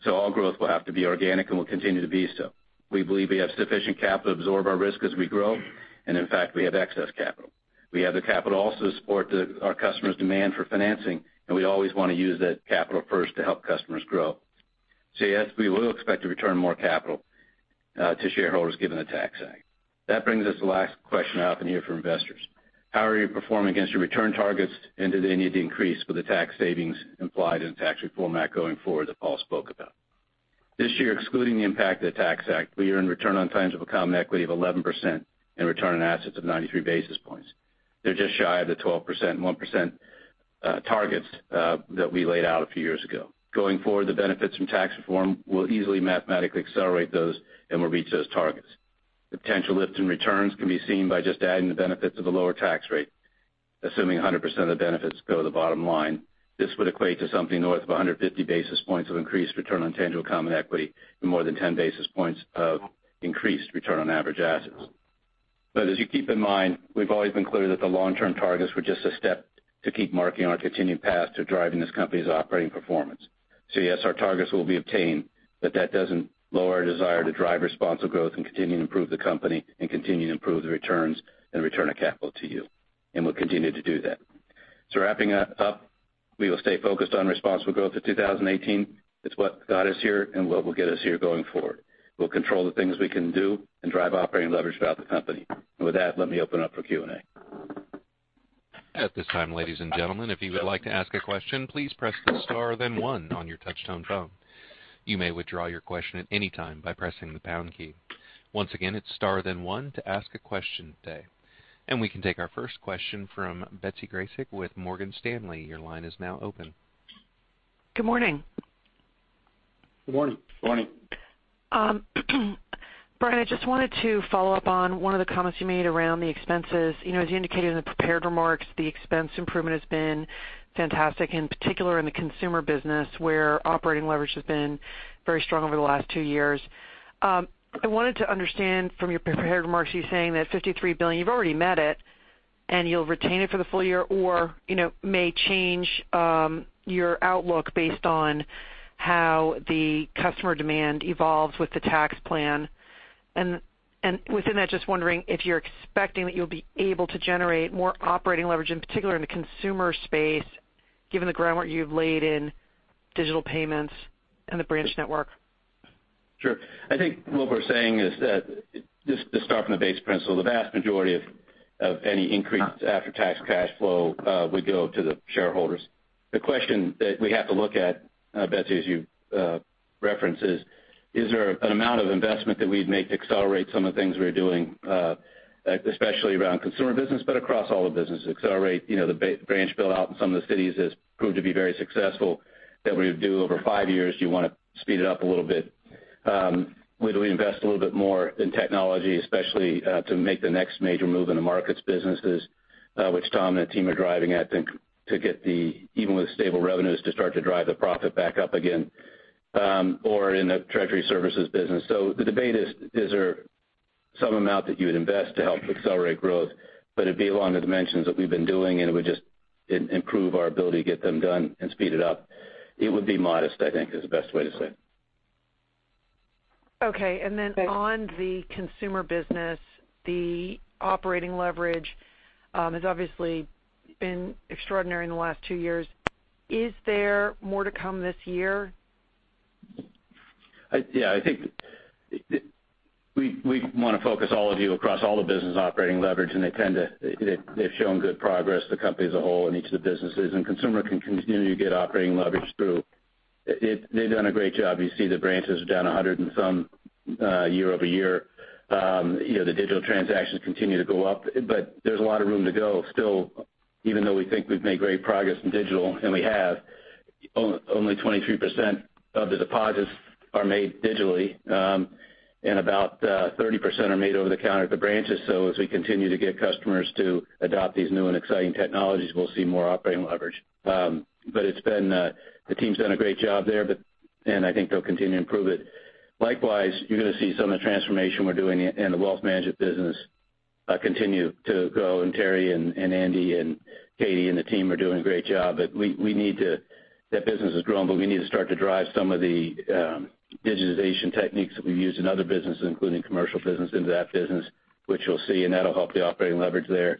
All growth will have to be organic and will continue to be so. We believe we have sufficient capital to absorb our risk as we grow, and in fact, we have excess capital. We have the capital also to support our customers' demand for financing, and we always want to use that capital first to help customers grow. Yes, we will expect to return more capital to shareholders given the Tax Act. That brings us to the last question I often hear from investors. How are you performing against your return targets, and do they need to increase with the tax savings implied in the tax reform act going forward that Paul spoke about? This year, excluding the impact of the Tax Act, we earned return on tangible common equity of 11% and return on assets of 93 basis points. They're just shy of the 12% and 1% targets that we laid out a few years ago. Going forward, the benefits from tax reform will easily mathematically accelerate those, and we'll reach those targets. The potential lift in returns can be seen by just adding the benefits of the lower tax rate. Assuming 100% of the benefits go to the bottom line, this would equate to something north of 150 basis points of increased return on tangible common equity and more than 10 basis points of increased return on average assets. As you keep in mind, we've always been clear that the long-term targets were just a step to keep marking our continued path to driving this company's operating performance. Yes, our targets will be obtained, but that doesn't lower our desire to drive responsible growth and continue to improve the company and continue to improve the returns and return of capital to you. We'll continue to do that. Wrapping up, we will stay focused on responsible growth in 2018. It's what got us here and what will get us here going forward. We'll control the things we can do and drive operating leverage throughout the company. With that, let me open up for Q&A. At this time, ladies and gentlemen, if you would like to ask a question, please press the star, then one on your touch-tone phone. You may withdraw your question at any time by pressing the pound key. Once again, it's star then one to ask a question today. We can take our first question from Betsy Graseck with Morgan Stanley. Your line is now open. Good morning. Good morning. Morning. Brian, I just wanted to follow up on one of the comments you made around the expenses. As you indicated in the prepared remarks, the expense improvement has been fantastic, in particular in the Consumer Banking where operating leverage has been very strong over the last two years. I wanted to understand from your prepared remarks you saying that $53 billion, you've already met it, and you'll retain it for the full year, or may change your outlook based on how the customer demand evolves with the tax plan. And within that, just wondering if you're expecting that you'll be able to generate more operating leverage, in particular in the consumer space, given the groundwork you've laid in digital payments and the branch network. Sure. I think what we're saying is that just to start from the base principle, the vast majority of any increased after-tax cash flow would go to the shareholders. The question that we have to look at, Betsy, as you referenced, is there an amount of investment that we'd make to accelerate some of the things we're doing, especially around Consumer Banking, but across all the business to accelerate the branch build-out in some of the cities has proved to be very successful that we would do over five years. You want to speed it up a little bit. Would we invest a little bit more in technology, especially to make the next major move in the Global Markets, which Tom and the team are driving at to get even with stable revenues to start to drive the profit back up again, or in the treasury services business. The debate is there some amount that you would invest to help accelerate growth? It'd be along the dimensions that we've been doing, and it would just improve our ability to get them done and speed it up. It would be modest, I think, is the best way to say it. Okay. On the consumer business, the operating leverage has obviously been extraordinary in the last two years. Is there more to come this year? Yeah. I think we want to focus all of you across all the business operating leverage, and they've shown good progress, the company as a whole and each of the businesses. Consumer can continue to get operating leverage through. They've done a great job. You see the branches are down 100 and some year-over-year. The digital transactions continue to go up, but there's a lot of room to go still, even though we think we've made great progress in digital, and we have. Only 23% of the deposits are made digitally. About 30% are made over the counter at the branches. As we continue to get customers to adopt these new and exciting technologies, we'll see more operating leverage. The team's done a great job there, and I think they'll continue to improve it. Likewise, you're going to see some of the transformation we're doing in the wealth management business continue to grow. Terry and Andy and Katy and the team are doing a great job. That business is growing, but we need to start to drive some of the digitization techniques that we use in other businesses, including commercial business into that business, which you'll see, and that'll help the operating leverage there.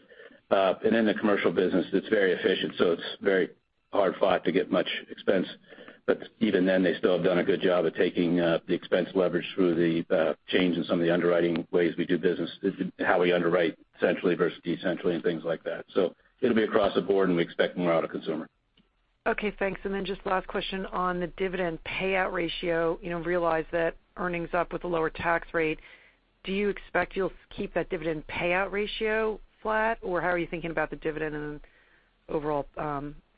In the commercial business, it's very efficient, so it's very hard-fought to get much expense. Even then, they still have done a good job at taking the expense leverage through the change in some of the underwriting ways we do business, how we underwrite centrally versus decentrally and things like that. It'll be across the board, and we expect more out of consumer. Okay, thanks. Just last question on the dividend payout ratio. Realize that earnings up with a lower tax rate. Do you expect you'll keep that dividend payout ratio flat, or how are you thinking about the dividend and overall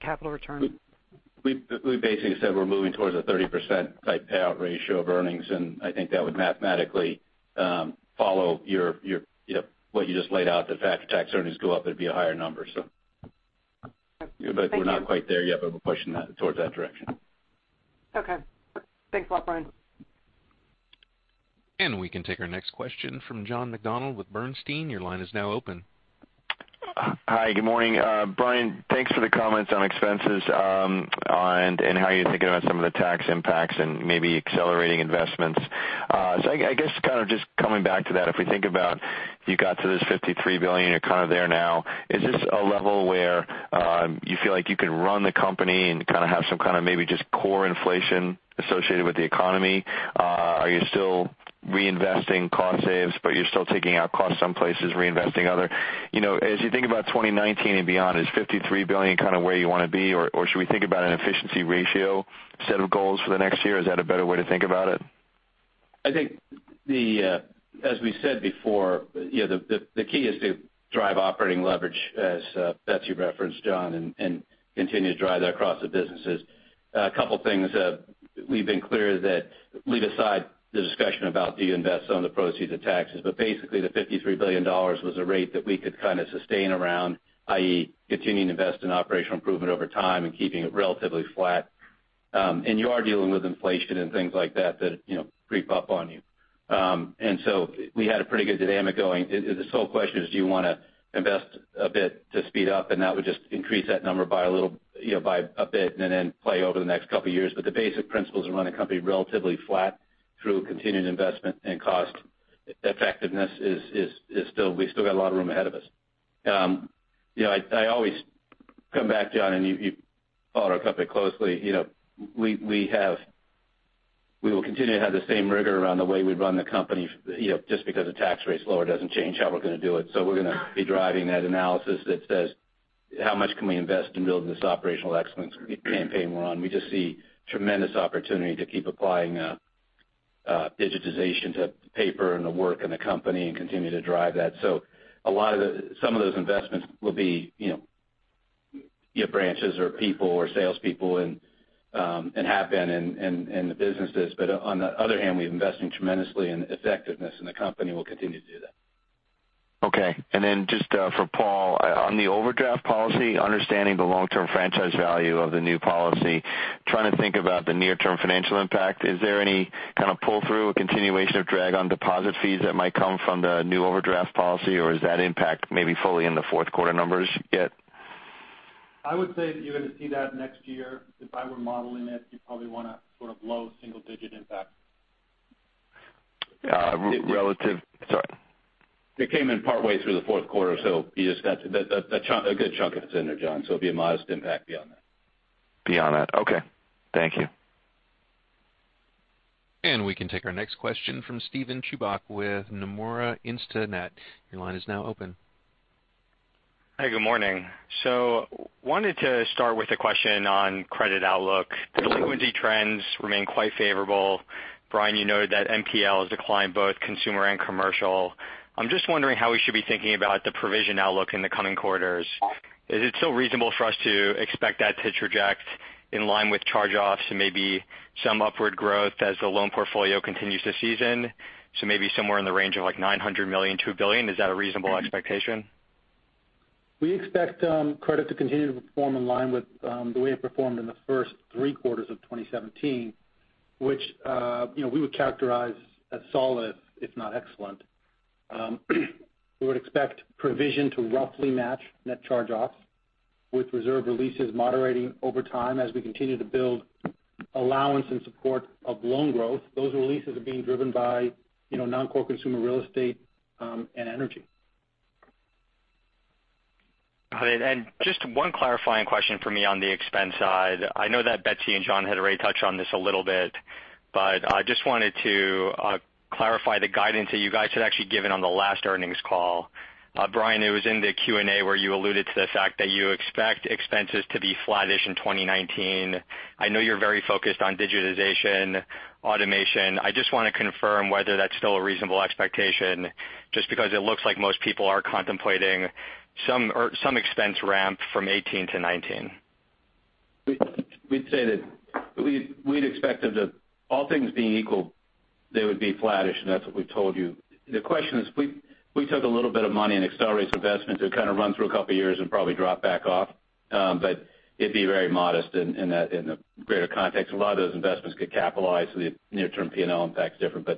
capital return? We basically said we're moving towards a 30%-type payout ratio of earnings. I think that would mathematically follow what you just laid out, that if after-tax earnings go up, it'd be a higher number. Okay. Thank you. We're not quite there yet, but we're pushing towards that direction. Okay. Thanks a lot, Brian. We can take our next question from John McDonald with Bernstein. Your line is now open. Hi. Good morning. Brian, thanks for the comments on expenses, and how you're thinking about some of the tax impacts and maybe accelerating investments. I guess just coming back to that, if we think about you got to this $53 billion, you're kind of there now. Is this a level where you feel like you can run the company and have some kind of maybe just core inflation associated with the economy? Are you still reinvesting cost saves, but you're still taking out costs some places, reinvesting other? As you think about 2019 and beyond, is $53 billion where you want to be, or should we think about an efficiency ratio set of goals for the next year? Is that a better way to think about it? I think as we said before, the key is to drive operating leverage as Betsy referenced, John, and continue to drive that across the businesses. A couple of things. We've been clear that leave aside the discussion about do you invest some of the proceeds of taxes. Basically, the $53 billion was a rate that we could kind of sustain around, i.e., continuing to invest in operational improvement over time and keeping it relatively flat. You are dealing with inflation and things like that creep up on you. We had a pretty good dynamic going. The sole question is, do you want to invest a bit to speed up, and that would just increase that number by a bit, and then play over the next couple of years. The basic principles to run a company relatively flat through continued investment and cost effectiveness is we still got a lot of room ahead of us. I always come back, John, and you follow our company closely. We will continue to have the same rigor around the way we run the company. Because the tax rate's lower doesn't change how we're going to do it. We're going to be driving that analysis that says, how much can we invest in building this operational excellence campaign we're on? We just see tremendous opportunity to keep applying digitization to paper and the work in the company and continue to drive that. Some of those investments will be branches or people or salespeople and have been in the businesses. On the other hand, we're investing tremendously in effectiveness, and the company will continue to do that. Okay. Then just for Paul, on the overdraft policy, understanding the long-term franchise value of the new policy, trying to think about the near-term financial impact. Is there any kind of pull-through, a continuation of drag on deposit fees that might come from the new overdraft policy, or is that impact maybe fully in the fourth quarter numbers yet? I would say that you're going to see that next year. If I were modeling it, you probably want a sort of low single-digit impact. Sorry. It came in partway through the fourth quarter, a good chunk of it's in there, John. It'll be a modest impact beyond that. Beyond that. Okay. Thank you. We can take our next question from Steven Chubak with Nomura Instinet. Your line is now open. Hi, good morning. Wanted to start with a question on credit outlook. Delinquency trends remain quite favorable. Brian, you noted that NPL has declined both consumer and commercial. I'm just wondering how we should be thinking about the provision outlook in the coming quarters. Is it still reasonable for us to expect that to traject in line with charge-offs and maybe some upward growth as the loan portfolio continues to season? Maybe somewhere in the range of like $900 million-$2 billion. Is that a reasonable expectation? We expect credit to continue to perform in line with the way it performed in the first three quarters of 2017, which we would characterize as solid, if not excellent. We would expect provision to roughly match net charge-offs with reserve releases moderating over time as we continue to build allowance in support of loan growth. Those releases are being driven by non-core consumer real estate and energy. Got it. Just one clarifying question from me on the expense side. I know that Betsy and John had already touched on this a little bit, but I just wanted to clarify the guidance that you guys had actually given on the last earnings call. Brian, it was in the Q&A where you alluded to the fact that you expect expenses to be flattish in 2019. I know you're very focused on digitization, automation. I just want to confirm whether that's still a reasonable expectation, just because it looks like most people are contemplating some expense ramp from 2018 to 2019. We'd say that we'd expect them to, all things being equal, they would be flattish. That's what we told you. The question is, we took a little bit of money and accelerated investment to kind of run through a couple of years and probably drop back off. It'd be very modest in the greater context. A lot of those investments get capitalized, so the near-term P&L impact's different.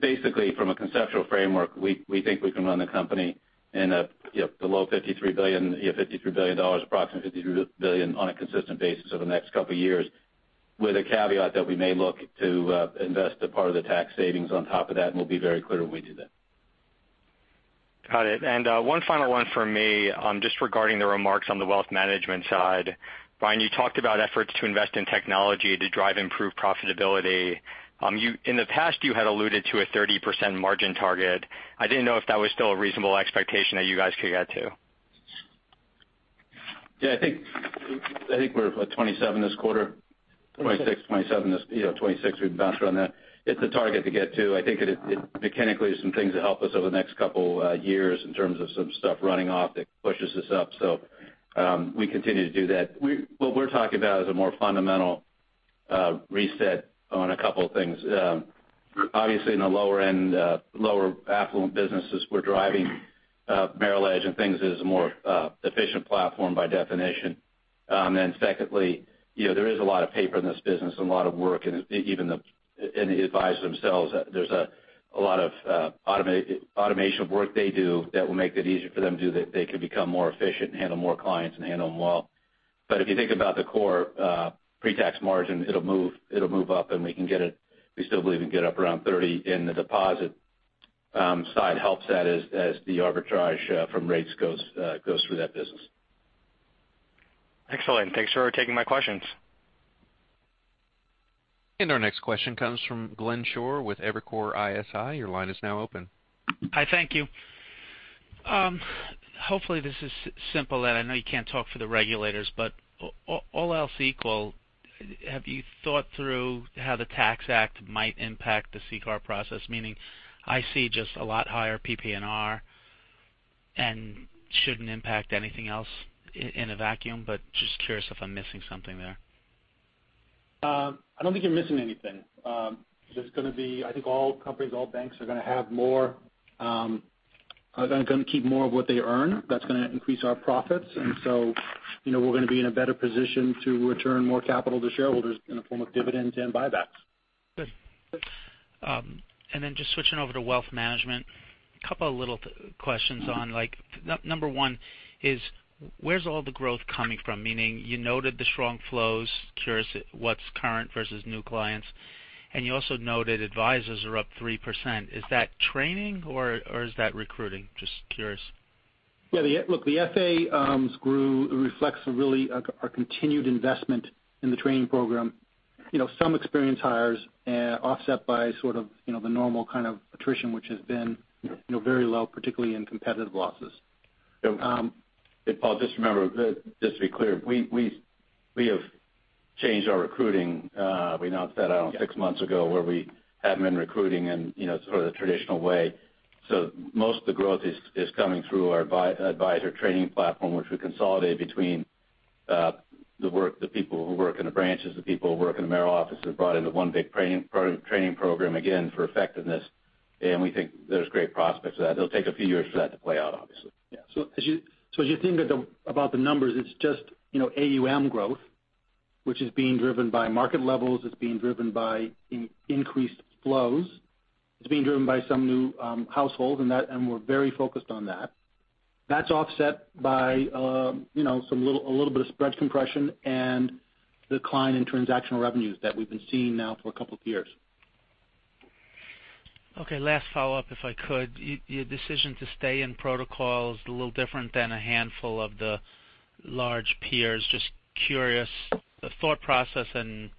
Basically, from a conceptual framework, we think we can run the company in below $53 billion, approximately $53 billion, on a consistent basis over the next couple of years with a caveat that we may look to invest a part of the tax savings on top of that, and we'll be very clear when we do that. Got it. One final one from me, just regarding the remarks on the wealth management side. Brian, you talked about efforts to invest in technology to drive improved profitability. In the past, you had alluded to a 30% margin target. I didn't know if that was still a reasonable expectation that you guys could get to. Yeah, I think we're at 27 this quarter. 26. 26. We can bounce around that. It's a target to get to. I think mechanically, there's some things that help us over the next couple years in terms of some stuff running off that pushes us up. We continue to do that. What we're talking about is a more fundamental reset on a couple of things. Obviously, in the lower affluent businesses, we're driving Merrill Edge and things as a more efficient platform by definition. Secondly, there is a lot of paper in this business and a lot of work, and even the advisors themselves, there's a lot of automation of work they do that will make that easier for them to do that they can become more efficient and handle more clients and handle them well. If you think about the core pre-tax margin, it'll move up and we still believe we can get up around 30, and the deposit side helps that as the arbitrage from rates goes through that business. Excellent. Thanks for taking my questions. Our next question comes from Glenn Schorr with Evercore ISI. Your line is now open. Hi, thank you. Hopefully this is simple. I know you can't talk for the regulators, but all else equal, have you thought through how the Tax Act might impact the CCAR process? Meaning, I see just a lot higher PPNR, and shouldn't impact anything else in a vacuum, but just curious if I'm missing something there. I don't think you're missing anything. I think all companies, all banks are going to keep more of what they earn. That's going to increase our profits. We're going to be in a better position to return more capital to shareholders in the form of dividends and buybacks. Good. Just switching over to wealth management, a couple of little questions on like, number one is where's all the growth coming from? Meaning you noted the strong flows, curious what's current versus new clients. You also noted advisors are up 3%. Is that training or is that recruiting? Just curious. Look, the FAs grew. It reflects really our continued investment in the training program. Some experienced hires offset by the normal kind of attrition, which has been very low, particularly in competitive losses. Paul, just remember, just to be clear, we have changed our recruiting. We announced that six months ago where we hadn't been recruiting in the traditional way. Most of the growth is coming through our advisor training platform, which we consolidated between the people who work in the branches, the people who work in the Merrill office are brought into one big training program, again, for effectiveness. We think there's great prospects for that. It'll take a few years for that to play out, obviously. As you think about the numbers, it's just AUM growth, which is being driven by market levels. It's being driven by increased flows. It's being driven by some new households, and we're very focused on that. That's offset by a little bit of spread compression and decline in transactional revenues that we've been seeing now for a couple of years. Last follow-up, if I could. Your decision to stay in protocol is a little different than a handful of the large peers. Just curious, the thought process and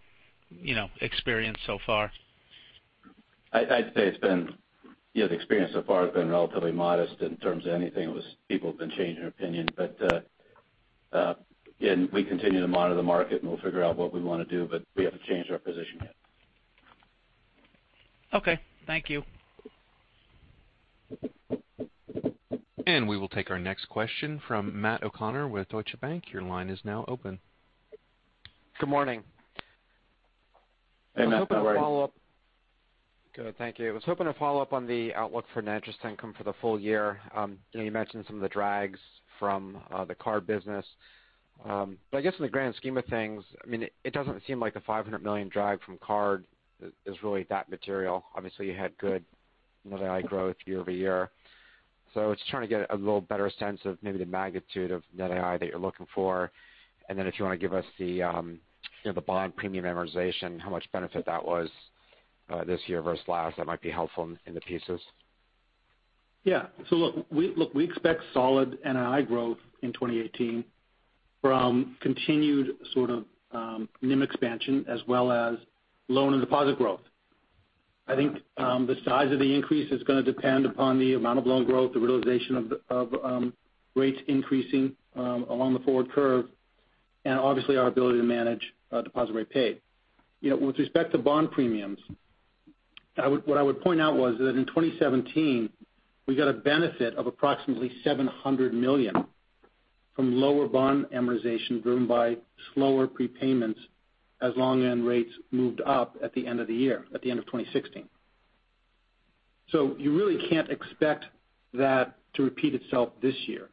experience so far. I'd say the experience so far has been relatively modest in terms of anything. It was people have been changing their opinion. Again, we continue to monitor the market, we'll figure out what we want to do, we haven't changed our position yet. Okay. Thank you. We will take our next question from Matt O'Connor with Deutsche Bank. Your line is now open. Good morning. Hey, Matt. How are you? Good, thank you. I was hoping to follow up on the outlook for net interest income for the full year. You mentioned some of the drags from the card business. I guess in the grand scheme of things, it doesn't seem like the $500 million drag from card is really that material. Obviously, you had good NII growth year-over-year. I was trying to get a little better sense of maybe the magnitude of NII that you're looking for. If you want to give us the bond premium amortization, how much benefit that was this year versus last, that might be helpful in the pieces. Yeah. Look, we expect solid NII growth in 2018 from continued NIM expansion as well as loan and deposit growth. I think the size of the increase is going to depend upon the amount of loan growth, the realization of rates increasing along the forward curve, and obviously our ability to manage deposit rate paid. With respect to bond premiums, what I would point out was that in 2017, we got a benefit of approximately $700 million from lower bond amortization driven by slower prepayments as long end rates moved up at the end of the year, at the end of 2016. You really can't expect that to repeat itself this year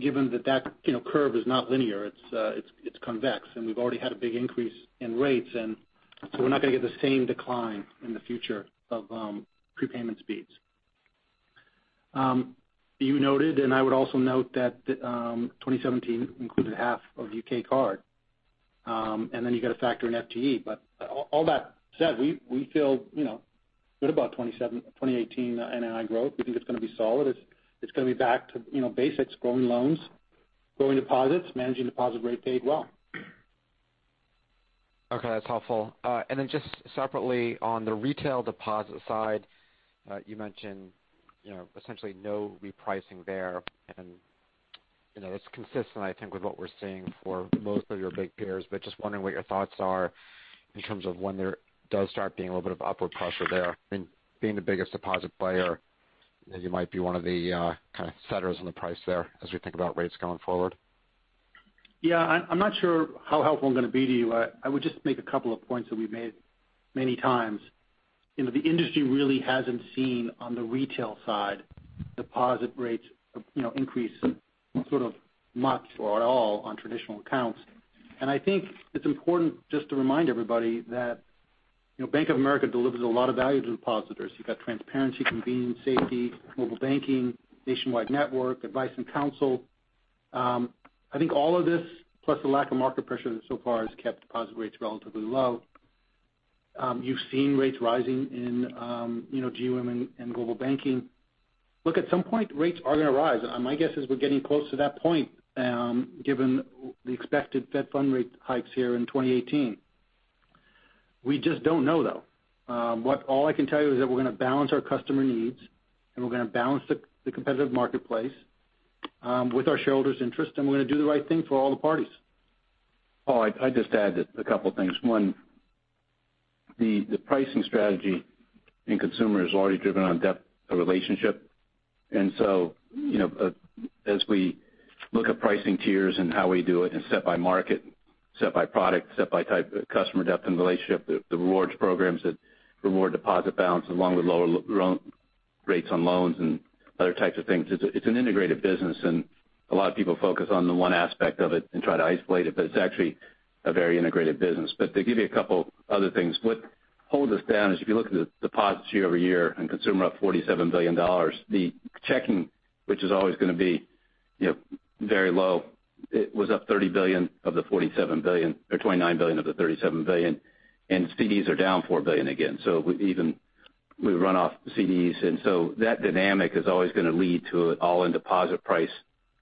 given that curve is not linear, it's convex, and we've already had a big increase in rates. We're not going to get the same decline in the future of prepayment speeds. You noted, I would also note that 2017 included half of U.K. card. You got to factor in FTE. All that said, we feel good about 2018 NII growth. We think it's going to be solid. It's going to be back to basics, growing loans, growing deposits, managing deposit rate paid well. Okay. That's helpful. Just separately on the retail deposit side, you mentioned essentially no repricing there. That's consistent, I think, with what we're seeing for most of your big peers. Just wondering what your thoughts are in terms of when there does start being a little bit of upward pressure there. Being the biggest deposit player, you might be one of the kind of setters on the price there as we think about rates going forward. Yeah. I'm not sure how helpful I'm going to be to you. I would just make a couple of points that we've made many times. The industry really hasn't seen on the retail side deposit rates increase much or at all on traditional accounts. I think it's important just to remind everybody that Bank of America delivers a lot of value to depositors. You've got transparency, convenience, safety, mobile banking, nationwide network, advice, and counsel. I think all of this, plus the lack of market pressure so far, has kept deposit rates relatively low. You've seen rates rising in GWIM and Global Banking. Look, at some point, rates are going to rise. My guess is we're getting close to that point, given the expected Fed fund rate hikes here in 2018. We just don't know, though. All I can tell you is that we're going to balance our customer needs, and we're going to balance the competitive marketplace with our shareholders' interest, and we're going to do the right thing for all the parties. Paul, I'd just add a couple of things. One, the pricing strategy in consumer is already driven on depth of relationship. As we look at pricing tiers and how we do it, and set by market, set by product, set by type of customer depth and relationship, the rewards programs that reward deposit balance along with lower rates on loans and other types of things. It's an integrated business, and a lot of people focus on the one aspect of it and try to isolate it, but it's actually a very integrated business. To give you a couple other things, what holds us down is if you look at the deposits year-over-year in Consumer, up $47 billion, the checking, which is always going to be very low, it was up $30 billion of the $47 billion, or $29 billion of the $37 billion, and CDs are down $4 billion again. We run off CDs. That dynamic is always going to lead to an all-in deposit price,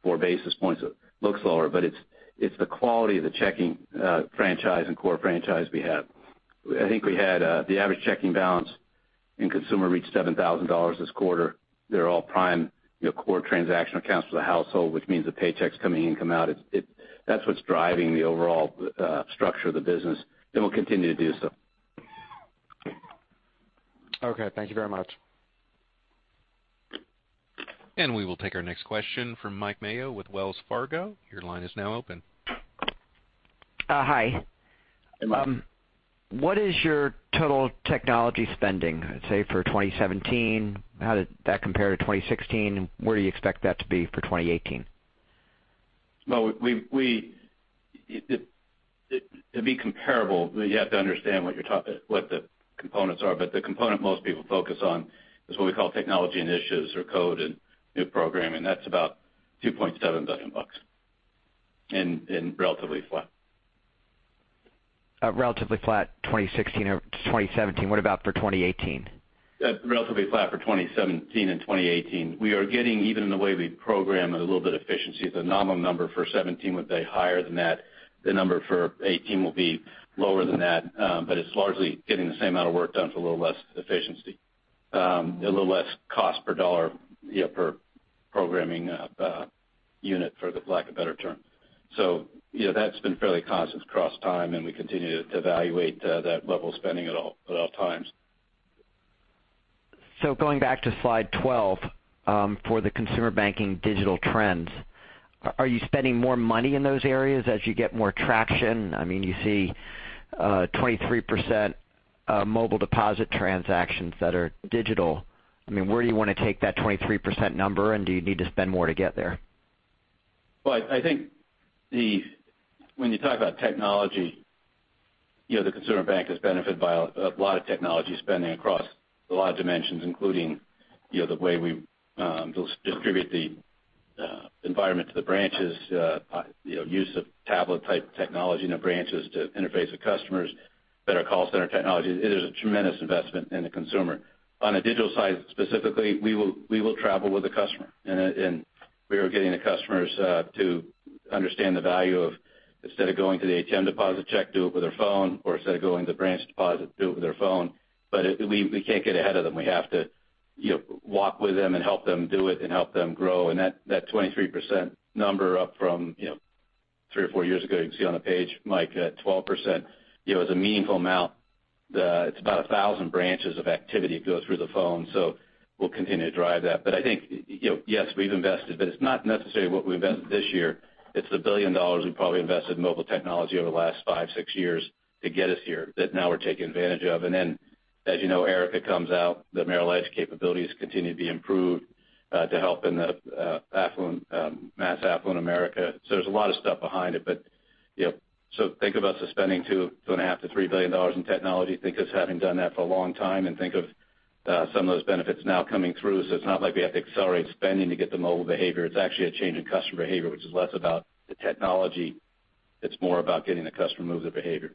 4 basis points looks lower, but it's the quality of the checking franchise and core franchise we have. I think we had the average checking balance in Consumer reach $7,000 this quarter. They're all prime core transactional accounts for the household, which means the paychecks coming in, come out. That's what's driving the overall structure of the business, and will continue to do so. Okay. Thank you very much. We will take our next question from Mike Mayo with Wells Fargo. Your line is now open. Hi. Hello. What is your total technology spending, let's say, for 2017? How did that compare to 2016, and where do you expect that to be for 2018? To be comparable, you have to understand what the components are. The component most people focus on is what we call Technology Initiatives or code and new program, and that's about $2.7 billion and relatively flat. Relatively flat 2016 to 2017. What about for 2018? Relatively flat for 2017 and 2018. We are getting, even in the way we program, a little bit efficiency. The nominal number for 2017 would be higher than that. The number for 2018 will be lower than that. It's largely getting the same amount of work done for a little less efficiency, a little less cost per dollar per programming unit, for the lack of a better term. That's been fairly constant across time, and we continue to evaluate that level of spending at all times. Going back to slide 12, for the Consumer Banking digital trends, are you spending more money in those areas as you get more traction? You see a 23% mobile deposit transactions that are digital. Where do you want to take that 23% number, and do you need to spend more to get there? I think when you talk about technology, the Consumer Banking has benefited by a lot of technology spending across a lot of dimensions, including the way we distribute the environment to the branches, use of tablet-type technology in the branches to interface with customers, better call center technology. It is a tremendous investment in the consumer. On a digital side specifically, we will travel with the customer, and we are getting the customers to understand the value of, instead of going to the ATM to deposit a check, do it with their phone. Or instead of going to the branch to deposit, do it with their phone. We can't get ahead of them. We have to walk with them and help them do it and help them grow. That 23% number up from three or four years ago, you can see on the page, Mike, at 12%, is a meaningful amount. It's about 1,000 branches of activity that goes through the phone. We'll continue to drive that. I think, yes, we've invested, but it's not necessarily what we invested this year. It's the $1 billion we probably invested in mobile technology over the last five, six years to get us here, that now we're taking advantage of. Then, as you know, Erica comes out, the Merrill Edge capabilities continue to be improved to help in the mass affluent America. There's a lot of stuff behind it. Think of us as spending $2 billion-$3 billion in technology. Think of us having done that for a long time, and think of some of those benefits now coming through. It's not like we have to accelerate spending to get the mobile behavior. It's actually a change in customer behavior, which is less about the technology. It's more about getting the customer to move their behavior.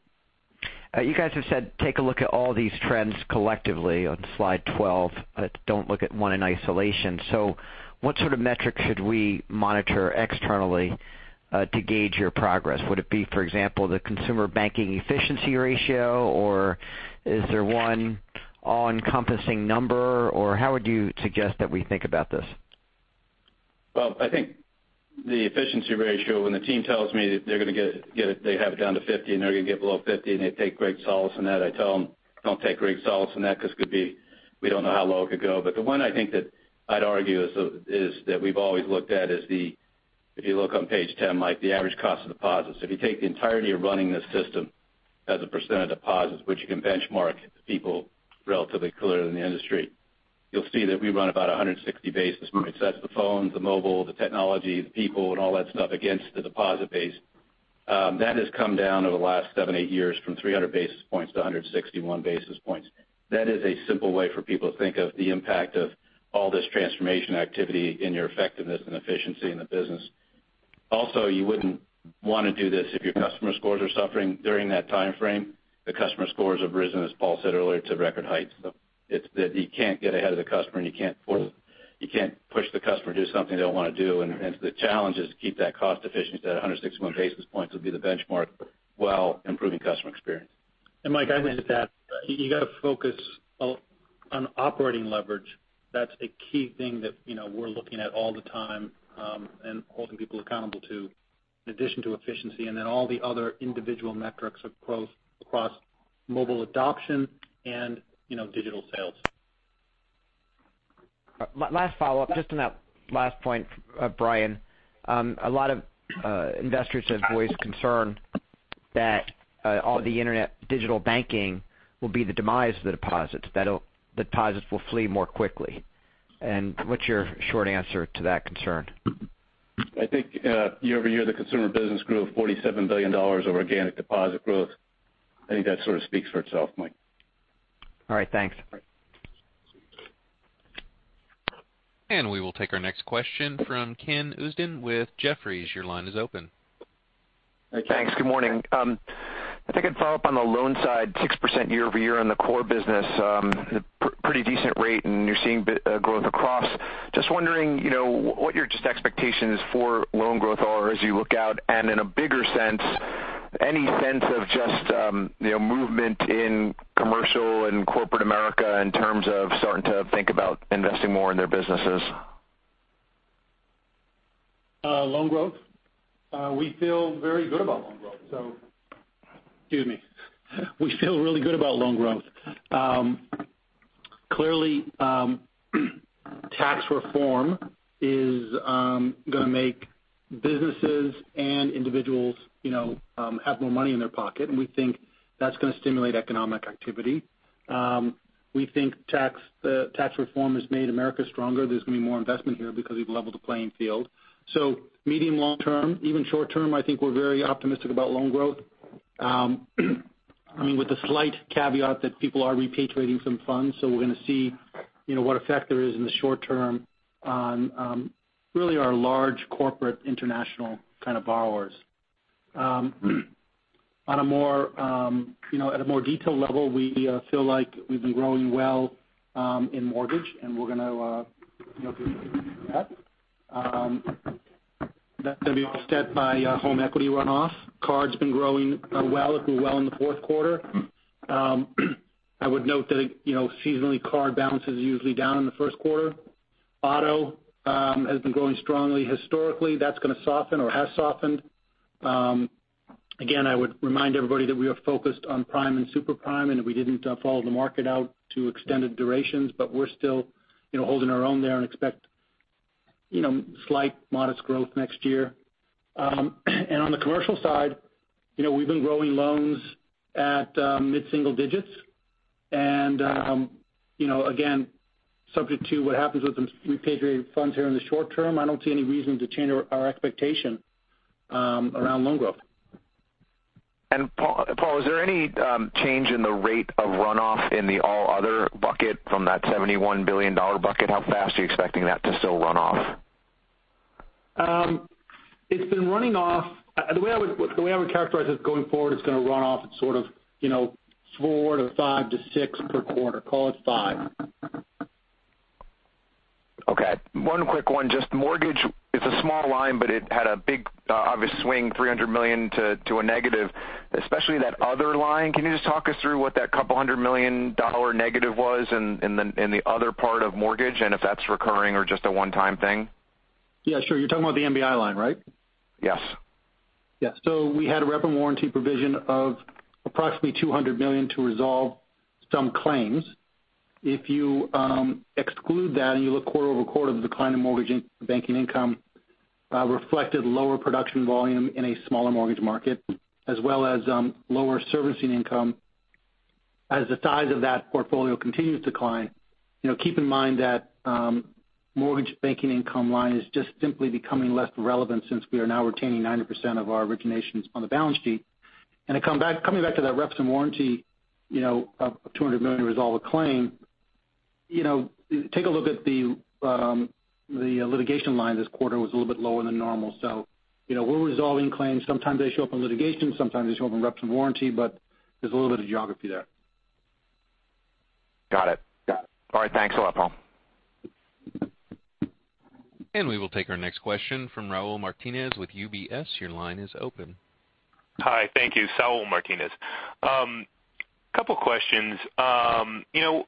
You guys have said take a look at all these trends collectively on slide 12, but don't look at one in isolation. What sort of metric should we monitor externally to gauge your progress? Would it be, for example, the Consumer Banking efficiency ratio, or is there one all-encompassing number, or how would you suggest that we think about this? I think the efficiency ratio, when the team tells me that they have it down to 50, and they're going to get below 50, and they take great solace in that, I tell them, "Don't take great solace in that because we don't know how low it could go." The one I think that I'd argue is that we've always looked at is the, if you look on page 10, Mike, the average cost of deposits. If you take the entirety of running this system as a percent of deposits, which you can benchmark people relatively clearly in the industry, you'll see that we run about 160 basis points. That's the phones, the mobile, the technology, the people, and all that stuff against the deposit base. That has come down over the last seven, eight years from 300 basis points to 161 basis points. That is a simple way for people to think of the impact of all this transformation activity in your effectiveness and efficiency in the business. You wouldn't want to do this if your customer scores are suffering during that time frame. The customer scores have risen, as Paul said earlier, to record heights. You can't get ahead of the customer, and you can't force it. You can't push the customer to do something they don't want to do, and the challenge is to keep that cost efficiency, that 161 basis points will be the benchmark while improving customer experience. Mike, I would just add, you got to focus on operating leverage. That's a key thing that we're looking at all the time and holding people accountable to, in addition to efficiency and then all the other individual metrics of growth across mobile adoption and digital sales. Last follow-up, just on that last point, Brian. A lot of investors have voiced concern that all the internet digital banking will be the demise of the deposits, that deposits will flee more quickly. What's your short answer to that concern? I think year-over-year, the Consumer Banking business grew of $47 billion of organic deposit growth. I think that sort of speaks for itself, Mike. All right. Thanks. All right. We will take our next question from Kenneth Usdin with Jefferies. Your line is open. Thanks. Good morning. If I could follow up on the loan side, 6% year-over-year on the core business. Pretty decent rate, and you're seeing growth across. Just wondering what your expectations for loan growth are as you look out, and in a bigger sense, any sense of just movement in commercial and corporate America in terms of starting to think about investing more in their businesses? Loan growth? We feel very good about loan growth. Excuse me. We feel really good about loan growth. Clearly, tax reform is going to make businesses and individuals have more money in their pocket, and we think that's going to stimulate economic activity. We think tax reform has made America stronger. There's going to be more investment here because we've leveled the playing field. Medium, long term, even short term, I think we're very optimistic about loan growth. With a slight caveat that people are repatriating some funds, so we're going to see what effect there is in the short term on really our large corporate international kind of borrowers. At a more detailed level, we feel like we've been growing well in mortgage, and we're going to continue to do that. That's going to be offset by home equity runoff. Cards been growing well. It grew well in the fourth quarter. I would note that seasonally, card balance is usually down in the first quarter. Auto has been growing strongly historically. That's going to soften or has softened. Again, I would remind everybody that we are focused on prime and super prime, and that we didn't follow the market out to extended durations, but we're still holding our own there and expect slight modest growth next year. On the commercial side, we've been growing loans at mid-single digits. Again, subject to what happens with the repatriated funds here in the short term, I don't see any reason to change our expectation around loan growth. Paul, is there any change in the rate of runoff in the all other bucket from that $71 billion bucket? How fast are you expecting that to still run off? It's been running off. The way I would characterize it going forward, it's going to run off at sort of four to five to six per quarter. Call it five. Okay. One quick one. Just mortgage, it's a small line, but it had a big obvious swing, $300 million to a negative, especially that other line. Can you just talk us through what that couple hundred million dollar negative was in the other part of mortgage, and if that's recurring or just a one-time thing? Yeah, sure. You're talking about the MBI line, right? Yes. Yeah. We had a rep and warranty provision of approximately $200 million to resolve some claims. If you exclude that and you look quarter-over-quarter, the decline in mortgage banking income reflected lower production volume in a smaller mortgage market, as well as lower servicing income. As the size of that portfolio continues to decline, keep in mind that mortgage banking income line is just simply becoming less relevant since we are now retaining 90% of our originations on the balance sheet. Coming back to that reps and warranty of $200 million to resolve a claim, take a look at the litigation line this quarter was a little bit lower than normal. We're resolving claims. Sometimes they show up in litigation, sometimes they show up in reps and warranty, but there's a little bit of geography there. Got it. Yeah. All right. Thanks a lot, Paul. We will take our next question from Saul Martinez with UBS. Your line is open. Hi. Thank you. Saul Martinez. Couple questions.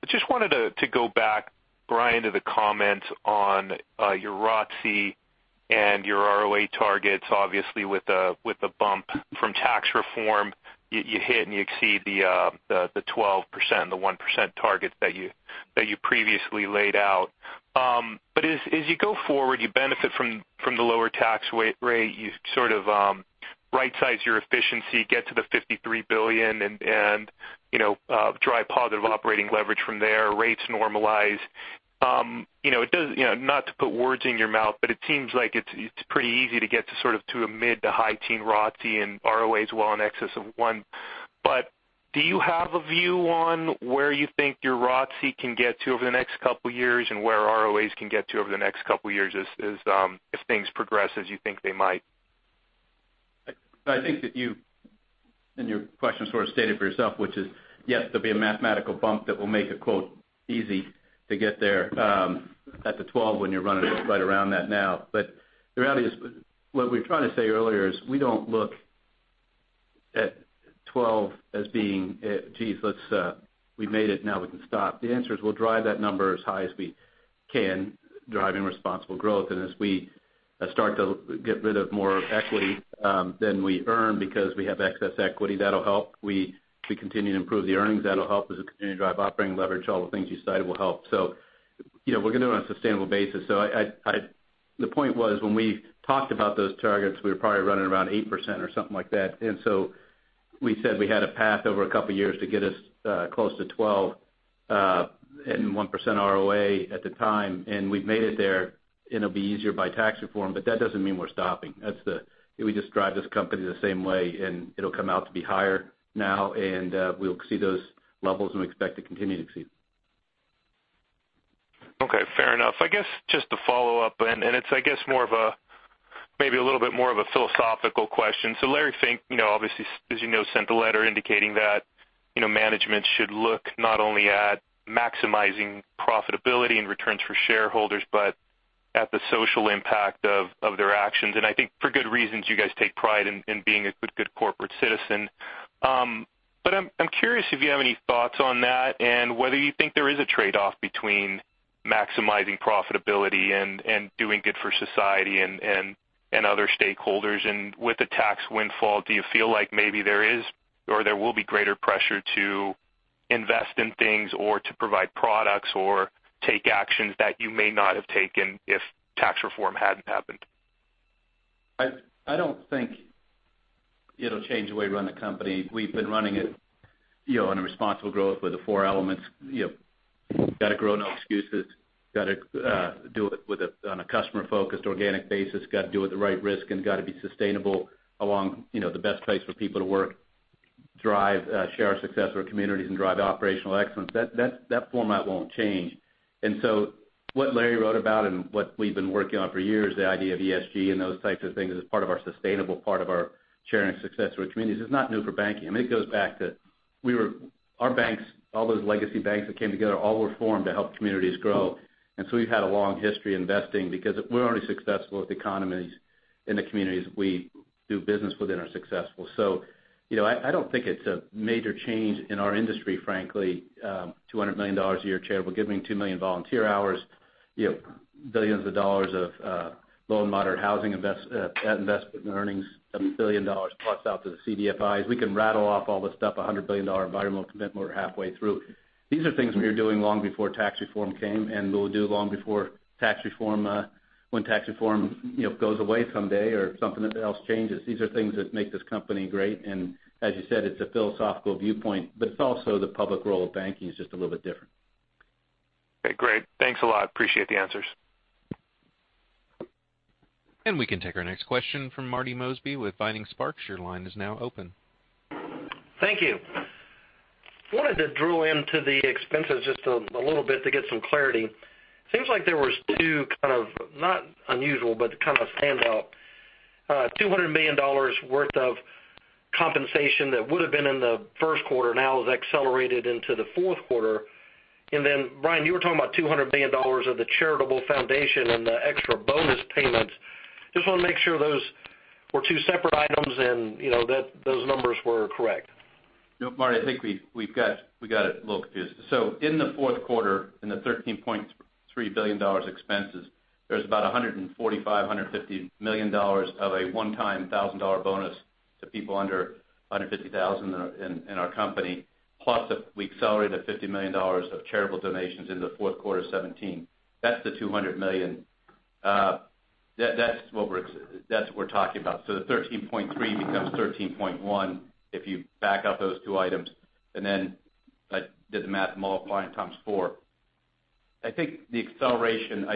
Just wanted to go back, Brian, to the comments on your ROTCE and your ROA targets. Obviously, with the bump from tax reform, you hit and you exceed the 12% and the 1% targets that you previously laid out. As you go forward, you benefit from the lower tax rate. You right-size your efficiency, get to the $53 billion and drive positive operating leverage from there, rates normalize. Not to put words in your mouth, but it seems like it's pretty easy to get to a mid- to high-teen ROTCE and ROAs well in excess of one. Do you have a view on where you think your ROTCE can get to over the next couple of years and where ROAs can get to over the next couple of years if things progress as you think they might? I think that you, in your question, stated for yourself, which is, yes, there'll be a mathematical bump that will make it "easy" to get there at the 12 when you're running right around that now. The reality is, what we were trying to say earlier is we don't look at 12 as being, "Geez, we've made it, now we can stop." The answer is we'll drive that number as high as we can, driving responsible growth. As we start to get rid of more equity than we earn because we have excess equity, that'll help. We continue to improve the earnings, that'll help. As we continue to drive operating leverage, all the things you cited will help. We're going to do it on a sustainable basis. The point was, when we talked about those targets, we were probably running around 8% or something like that. We said we had a path over a couple of years to get us close to 12 and 1% ROA at the time, and we've made it there, and it'll be easier by Tax Reform, but that doesn't mean we're stopping. We just drive this company the same way, and it'll come out to be higher now, and we'll see those levels and we expect to continue to exceed. Okay, fair enough. I guess just to follow up, maybe a little bit more of a philosophical question. Larry Fink, obviously, as you know, sent a letter indicating that management should look not only at maximizing profitability and returns for shareholders, but at the social impact of their actions. I think for good reasons, you guys take pride in being a good corporate citizen. I'm curious if you have any thoughts on that and whether you think there is a trade-off between maximizing profitability and doing good for society and other stakeholders. With the tax windfall, do you feel like maybe there is or there will be greater pressure to invest in things or to provide products or take actions that you may not have taken if Tax Reform hadn't happened? I don't think it'll change the way we run the company. We've been running it on a responsible growth with the four elements. Got to grow, no excuses. Got to do it on a customer-focused, organic basis, got to do it at the right risk, and got to be sustainable along the best place for people to work. Drive, share our success with our communities, and drive operational excellence. That format won't change. What Larry wrote about and what we've been working on for years, the idea of ESG and those types of things, as part of our sustainable part of our sharing success with communities is not new for banking. It goes back that our banks, all those legacy banks that came together, all were formed to help communities grow. We've had a long history investing because we're only successful if the economies in the communities we do business within are successful. I don't think it's a major change in our industry, frankly. $200 million a year charitable giving, 2 million volunteer hours, billions of dollars of low and moderate housing investment in earnings, $7 billion plus out to the CDFIs. We can rattle off all this stuff, $100 billion environmental commitment, we're halfway through. These are things we were doing long before Tax Reform came, and we'll do long before when Tax Reform goes away someday or something else changes. These are things that make this company great, and as you said, it's a philosophical viewpoint, but it's also the public role of banking is just a little bit different. Okay, great. Thanks a lot. Appreciate the answers. We can take our next question from Marty Mosby with Vining Sparks. Your line is now open. Thank you. Wanted to drill into the expenses just a little bit to get some clarity. Seems like there was 2 kind of, not unusual, but kind of standout. $200 million worth of compensation that would have been in the first quarter now is accelerated into the fourth quarter. Brian, you were talking about $200 million of the charitable foundation and the extra bonus payments. Just want to make sure those were 2 separate items and those numbers were correct. Marty, I think we got a little confused. In the fourth quarter, in the $13.3 billion expenses, there's about $145 million, $150 million of a one-time $1,000 bonus to people under $150,000 in our company. Plus, we accelerated $50 million of charitable donations into fourth quarter 2017. That's the $200 million. That's what we're talking about. The 13.3 becomes 13.1 if you back out those two items. I did the math multiplying times four. I think the acceleration,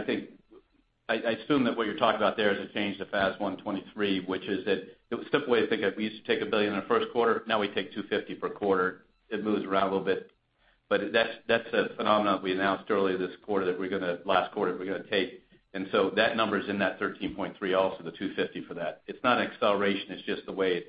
I assume that what you're talking about there is a change to FAS 123, which is that the simple way to think of it, we used to take $1 billion in the first quarter, now we take $250 million per quarter. It moves around a little bit. That's a phenomenon we announced early last quarter that we're going to take. That number is in that 13.3 also, the $250 million for that. It's not an acceleration, it's just the way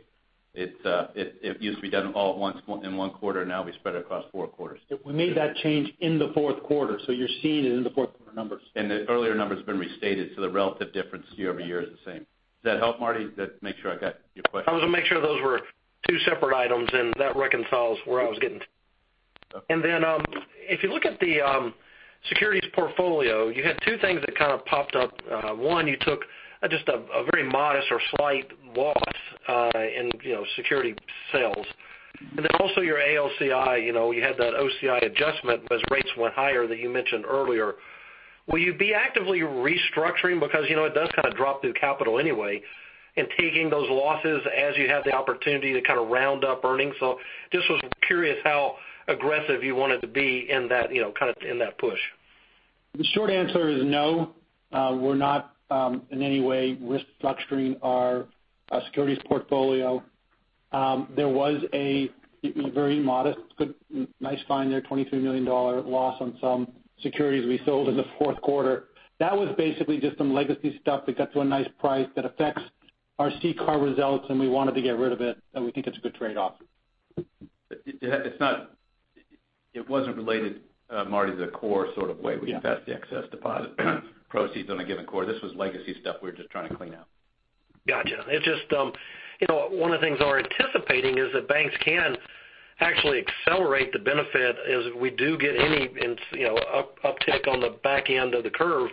it used to be done all at once in one quarter, now we spread it across four quarters. We made that change in the fourth quarter, you're seeing it in the fourth quarter numbers. The earlier numbers have been restated, the relative difference year-over-year is the same. Does that help, Marty? Make sure I got your question. I was going to make sure those were two separate items, and that reconciles where I was getting to. Okay. If you look at the securities portfolio, you had two things that kind of popped up. One, you took just a very modest or slight loss in security sales. Also your AOCI. You had that OCI adjustment as rates went higher that you mentioned earlier. Will you be actively restructuring because it does kind of drop through capital anyway in taking those losses as you have the opportunity to kind of round up earnings? Just was curious how aggressive you wanted to be in that push. The short answer is no. We're not in any way restructuring our securities portfolio. There was a very modest, nice find there, $23 million loss on some securities we sold in the fourth quarter. That was basically just some legacy stuff that got to a nice price that affects our CCAR results, and we wanted to get rid of it, and we think it's a good trade-off. It wasn't related, Marty, the core sort of way. Yeah. We invest the excess deposit proceeds on a given core. This was legacy stuff we were just trying to clean out. Gotcha. One of the things we're anticipating is that banks can actually accelerate the benefit as we do get any uptick on the back end of the curve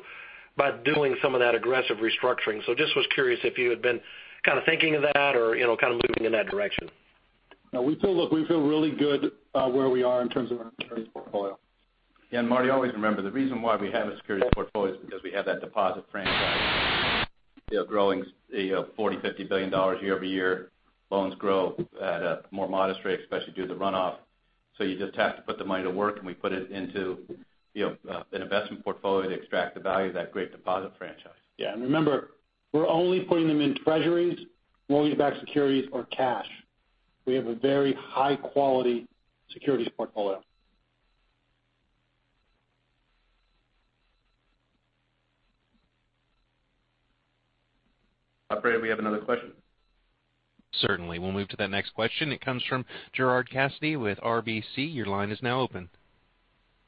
by doing some of that aggressive restructuring. Just was curious if you had been kind of thinking of that or kind of moving in that direction. No. Look, we feel really good where we are in terms of our securities portfolio. Yeah. Marty, always remember, the reason why we have a securities portfolio is because we have that deposit franchise growing $40, $50 billion year-over-year. Loans grow at a more modest rate, especially due to the runoff. You just have to put the money to work, and we put it into an investment portfolio to extract the value of that great deposit franchise. Yeah. Remember, we're only putting them in Treasuries, mortgage-backed securities, or cash. We have a very high-quality securities portfolio. Operator, we have another question. Certainly. We'll move to that next question. It comes from Gerard Cassidy with RBC. Your line is now open.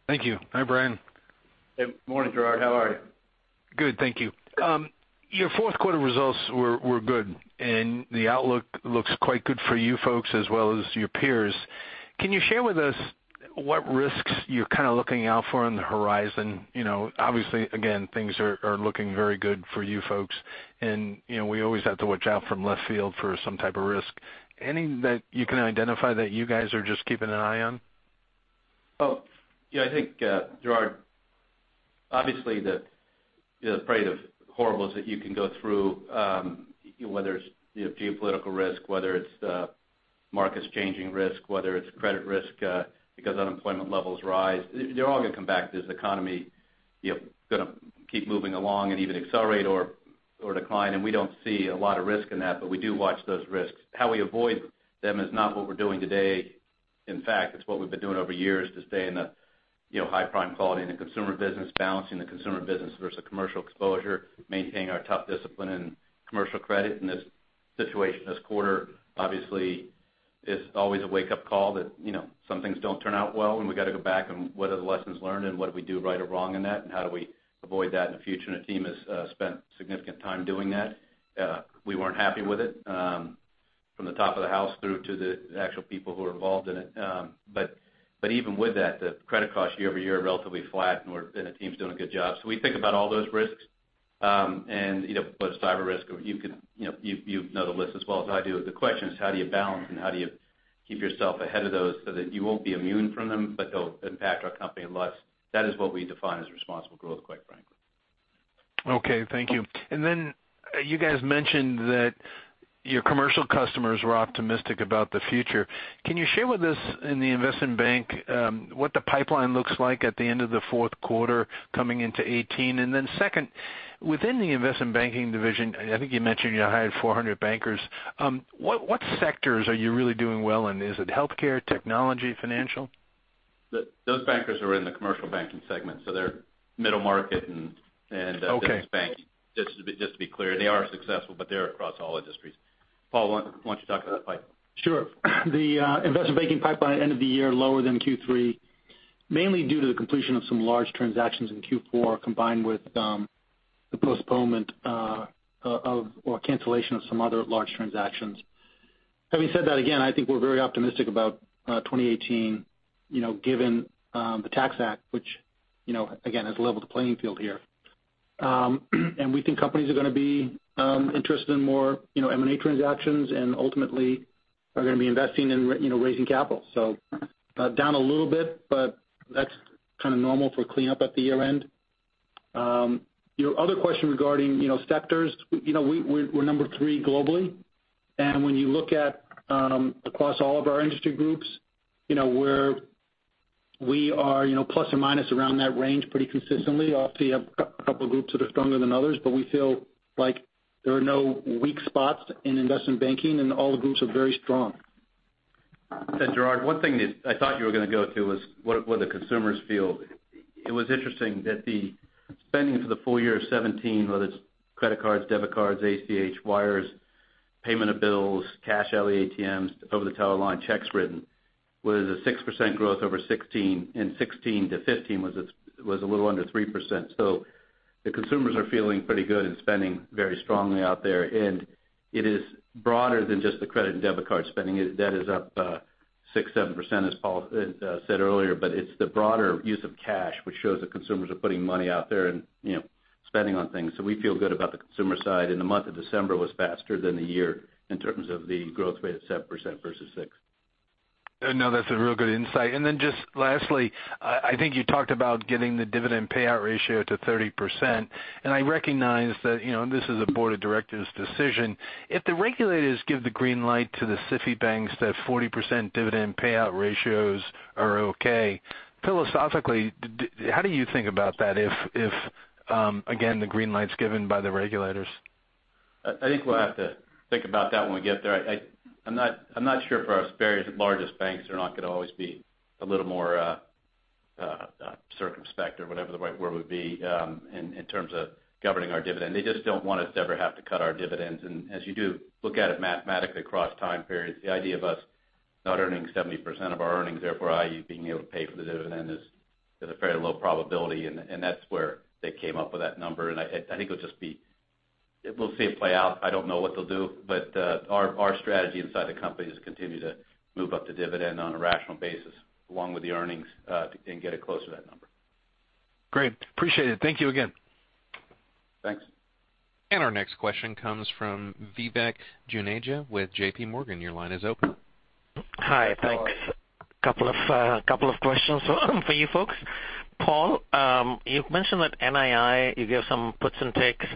Thank you. Hi, Brian. Good morning, Gerard. How are you? Good, thank you. Your fourth quarter results were good, the outlook looks quite good for you folks as well as your peers. Can you share with us what risks you're kind of looking out for on the horizon? Things are looking very good for you folks, and we always have to watch out from left field for some type of risk. Anything that you can identify that you guys are just keeping an eye on? I think, Gerard, the parade of horribles that you can go through, whether it's geopolitical risk, whether it's markets changing risk, whether it's credit risk because unemployment levels rise, they're all going to come back to this economy going to keep moving along and even accelerate or decline. We don't see a lot of risk in that, but we do watch those risks. How we avoid them is not what we're doing today. In fact, it's what we've been doing over years to stay in the high prime quality in the Consumer Banking business, balancing the Consumer Banking business versus commercial exposure, maintaining our tough discipline in commercial credit in this situation. This quarter is always a wake-up call that some things don't turn out well and we got to go back and what are the lessons learned and what do we do right or wrong in that, and how do we avoid that in the future? The team has spent significant time doing that. We weren't happy with it, from the top of the house through to the actual people who were involved in it. Even with that, the credit costs year-over-year are relatively flat, and the team's doing a good job. We think about all those risks, and cyber risk. You know the list as well as I do. The question is how do you balance and how do you keep yourself ahead of those so that you won't be immune from them, but they'll impact our company less. That is what we define as responsible growth, quite frankly. Okay, thank you. You guys mentioned that your commercial customers were optimistic about the future. Can you share with us in the investment bank what the pipeline looks like at the end of the fourth quarter coming into 2018? Second, within the investment banking division, I think you mentioned you hired 400 bankers. What sectors are you really doing well in? Is it healthcare, technology, financial? Those bankers are in the commercial banking segment, so they're middle market. Okay business banking. Just to be clear, they are successful, but they're across all industries. Paul, why don't you talk about the pipeline? Sure. The investment banking pipeline at end of the year lower than Q3, mainly due to the completion of some large transactions in Q4, combined with the postponement or cancellation of some other large transactions. Having said that, again, I think we're very optimistic about 2018 given the Tax Act, which again has leveled the playing field here. We think companies are going to be interested in more M&A transactions and ultimately are going to be investing in raising capital. Down a little bit, but that's kind of normal for cleanup at the year-end. Your other question regarding sectors. We're number three globally. When you look at across all of our industry groups, we are plus or minus around that range pretty consistently. Obviously, you have a couple of groups that are stronger than others, but we feel like there are no weak spots in investment banking, and all the groups are very strong. Gerard, one thing that I thought you were going to go to was what the consumers feel. It was interesting that the spending for the full year of 2017, whether it's credit cards, debit cards, ACH, wires, payment of bills, cash out at ATMs, over-the-counter line checks written, was a 6% growth over 2016, and 2016 to 2015 was a little under 3%. The consumers are feeling pretty good and spending very strongly out there. It is broader than just the credit and debit card spending. That is up 6%, 7%, as Paul said earlier. It's the broader use of cash which shows that consumers are putting money out there and spending on things. We feel good about the consumer side, and the month of December was faster than the year in terms of the growth rate at 7% versus 6%. No, that's a real good insight. Just lastly, I think you talked about getting the dividend payout ratio to 30%, and I recognize that this is a board of directors decision. If the regulators give the green light to the SIFI banks that 40% dividend payout ratios are okay, philosophically, how do you think about that if, again, the green light's given by the regulators? I think we'll have to think about that when we get there. I'm not sure if our various largest banks are not going to always be a little more circumspect or whatever the right word would be in terms of governing our dividend. They just don't want us to ever have to cut our dividends. As you do look at it mathematically across time periods, the idea of us not earning 70% of our earnings, therefore i.e., being able to pay for the dividend is a very low probability, and that's where they came up with that number. I think it will just be. We'll see it play out. I don't know what they'll do. Our strategy inside the company is to continue to move up the dividend on a rational basis along with the earnings, and get it close to that number. Great. Appreciate it. Thank you again. Thanks. Our next question comes from Vivek Juneja with JPMorgan. Your line is open. Hi. Thanks. Couple of questions for you folks. Paul, you've mentioned that NII, you gave some puts and takes.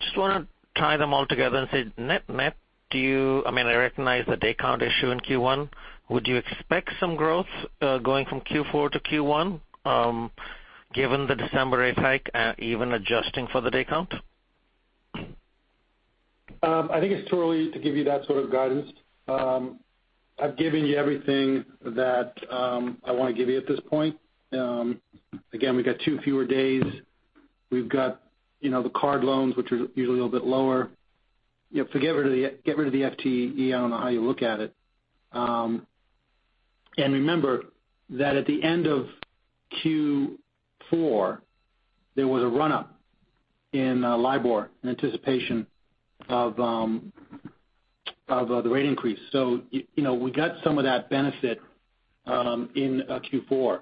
Just want to tie them all together and say net, I recognize the day count issue in Q1. Would you expect some growth going from Q4 to Q1, given the December rate hike even adjusting for the day count? I think it's too early to give you that sort of guidance. I've given you everything that I want to give you at this point. We've got two fewer days. We've got the card loans, which are usually a little bit lower. If we get rid of the FTE, I don't know how you look at it. Remember that at the end of Q4, there was a run-up in LIBOR in anticipation of the rate increase. We got some of that benefit in Q4.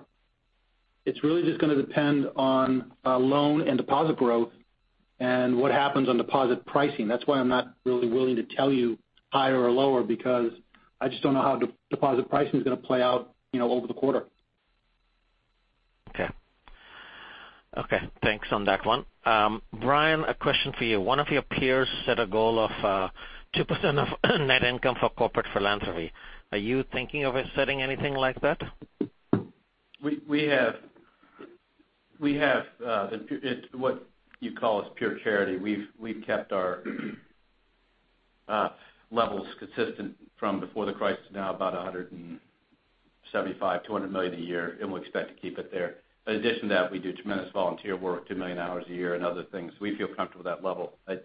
It's really just going to depend on loan and deposit growth and what happens on deposit pricing. That's why I'm not really willing to tell you higher or lower because I just don't know how deposit pricing is going to play out over the quarter. Okay. Thanks on that one. Brian, a question for you. One of your peers set a goal of 2% of net income for corporate philanthropy. Are you thinking of setting anything like that? We have what you call as pure charity. We've kept our levels consistent from before the crisis to now, about $175-$200 million a year, and we expect to keep it there. In addition to that, we do tremendous volunteer work, two million hours a year and other things. We feel comfortable with that level. I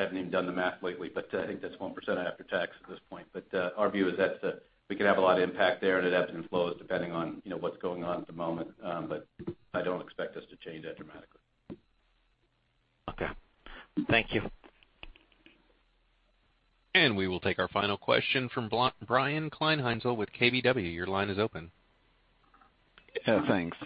haven't even done the math lately. I think that's 1% after tax at this point. Our view is that we could have a lot of impact there, and it ebbs and flows depending on what's going on at the moment. I don't expect us to change that dramatically. Okay. Thank you. We will take our final question from Brian Kleinhanzl with KBW. Your line is open. Thanks.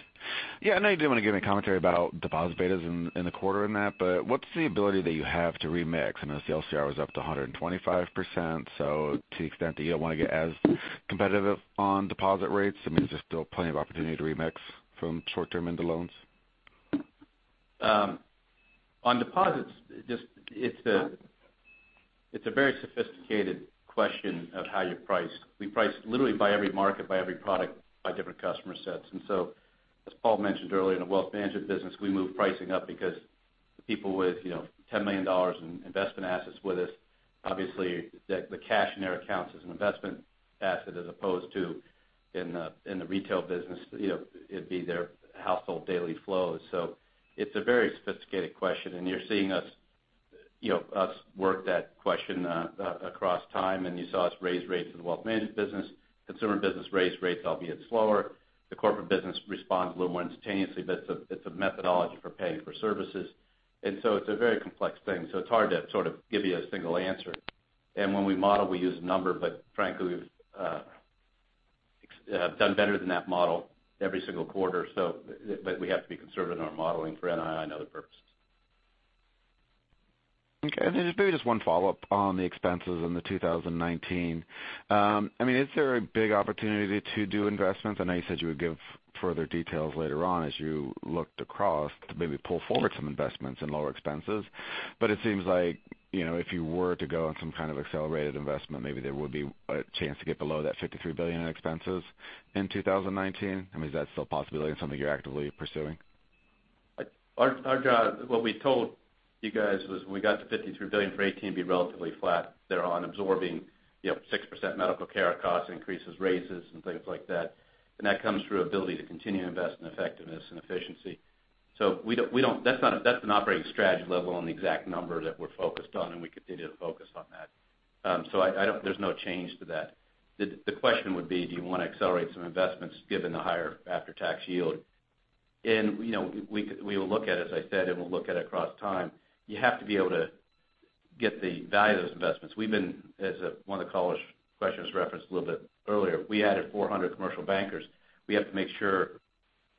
Yeah, I know you didn't want to give me commentary about deposit betas in the quarter and that, but what's the ability that you have to remix? I know the LCR was up to 125%, so to the extent that you don't want to get as competitive on deposit rates, I mean, is there still plenty of opportunity to remix from short-term into loans? On deposits, it's a very sophisticated question of how you price. We price literally by every market, by every product, by different customer sets. As Paul mentioned earlier, in the wealth management business, we move pricing up because people with $10 million in investment assets with us, obviously, the cash in their accounts is an investment asset as opposed to in the retail business, it'd be their household daily flows. It's a very sophisticated question, and you're seeing us work that question across time, and you saw us raise rates in the wealth management business. Consumer business raised rates, albeit slower. The corporate business responds a little more instantaneously, but it's a methodology for paying for services. It's a very complex thing. It's hard to sort of give you a single answer. When we model, we use a number, but frankly, we've done better than that model every single quarter. We have to be conservative in our modeling for NII and other purposes. Okay. Maybe just one follow-up on the expenses in 2019. Is there a big opportunity to do investments? I know you said you would give further details later on as you looked across to maybe pull forward some investments and lower expenses. It seems like if you were to go on some kind of accelerated investment, maybe there would be a chance to get below that $53 billion in expenses in 2019. I mean, is that still a possibility and something you're actively pursuing? What we told you guys was when we got to $53 billion for 2018, be relatively flat thereon absorbing 6% medical care cost increases, raises, and things like that. That comes through ability to continue to invest in effectiveness and efficiency. That's an operating strategy level on the exact number that we're focused on, and we continue to focus on that. There's no change to that. The question would be, do you want to accelerate some investments given the higher after-tax yield? We will look at it, as I said, and we'll look at it across time. You have to be able to get the value of those investments. As one of the caller's questions referenced a little bit earlier, we added 400 commercial bankers. We have to make sure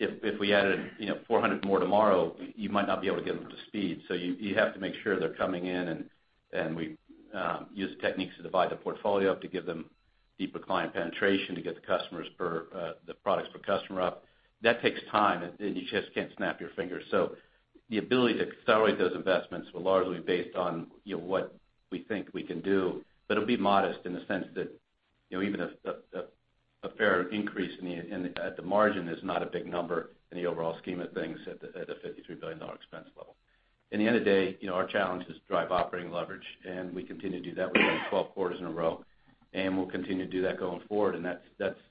if we added 400 more tomorrow, you might not be able to get them to speed. You have to make sure they're coming in, and we use techniques to divide the portfolio up to give them deeper client penetration to get the products per customer up. That takes time, and you just can't snap your fingers. The ability to accelerate those investments will largely be based on what we think we can do. It'll be modest in the sense that even a fair increase at the margin is not a big number in the overall scheme of things at a $53 billion expense level. In the end of the day, our challenge is to drive operating leverage, and we continue to do that. We've done 12 quarters in a row, and we'll continue to do that going forward, and that's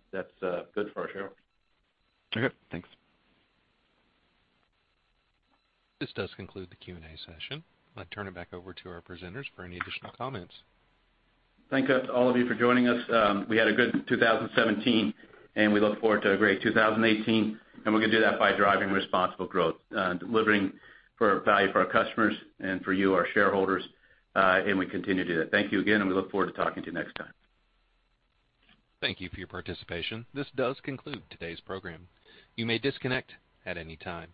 good for our shareholders. Okay, thanks. This does conclude the Q&A session. I turn it back over to our presenters for any additional comments. Thank all of you for joining us. We had a good 2017, and we look forward to a great 2018, and we're going to do that by driving responsible growth, delivering value for our customers and for you, our shareholders, and we continue to do that. Thank you again, and we look forward to talking to you next time. Thank you for your participation. This does conclude today's program. You may disconnect at any time.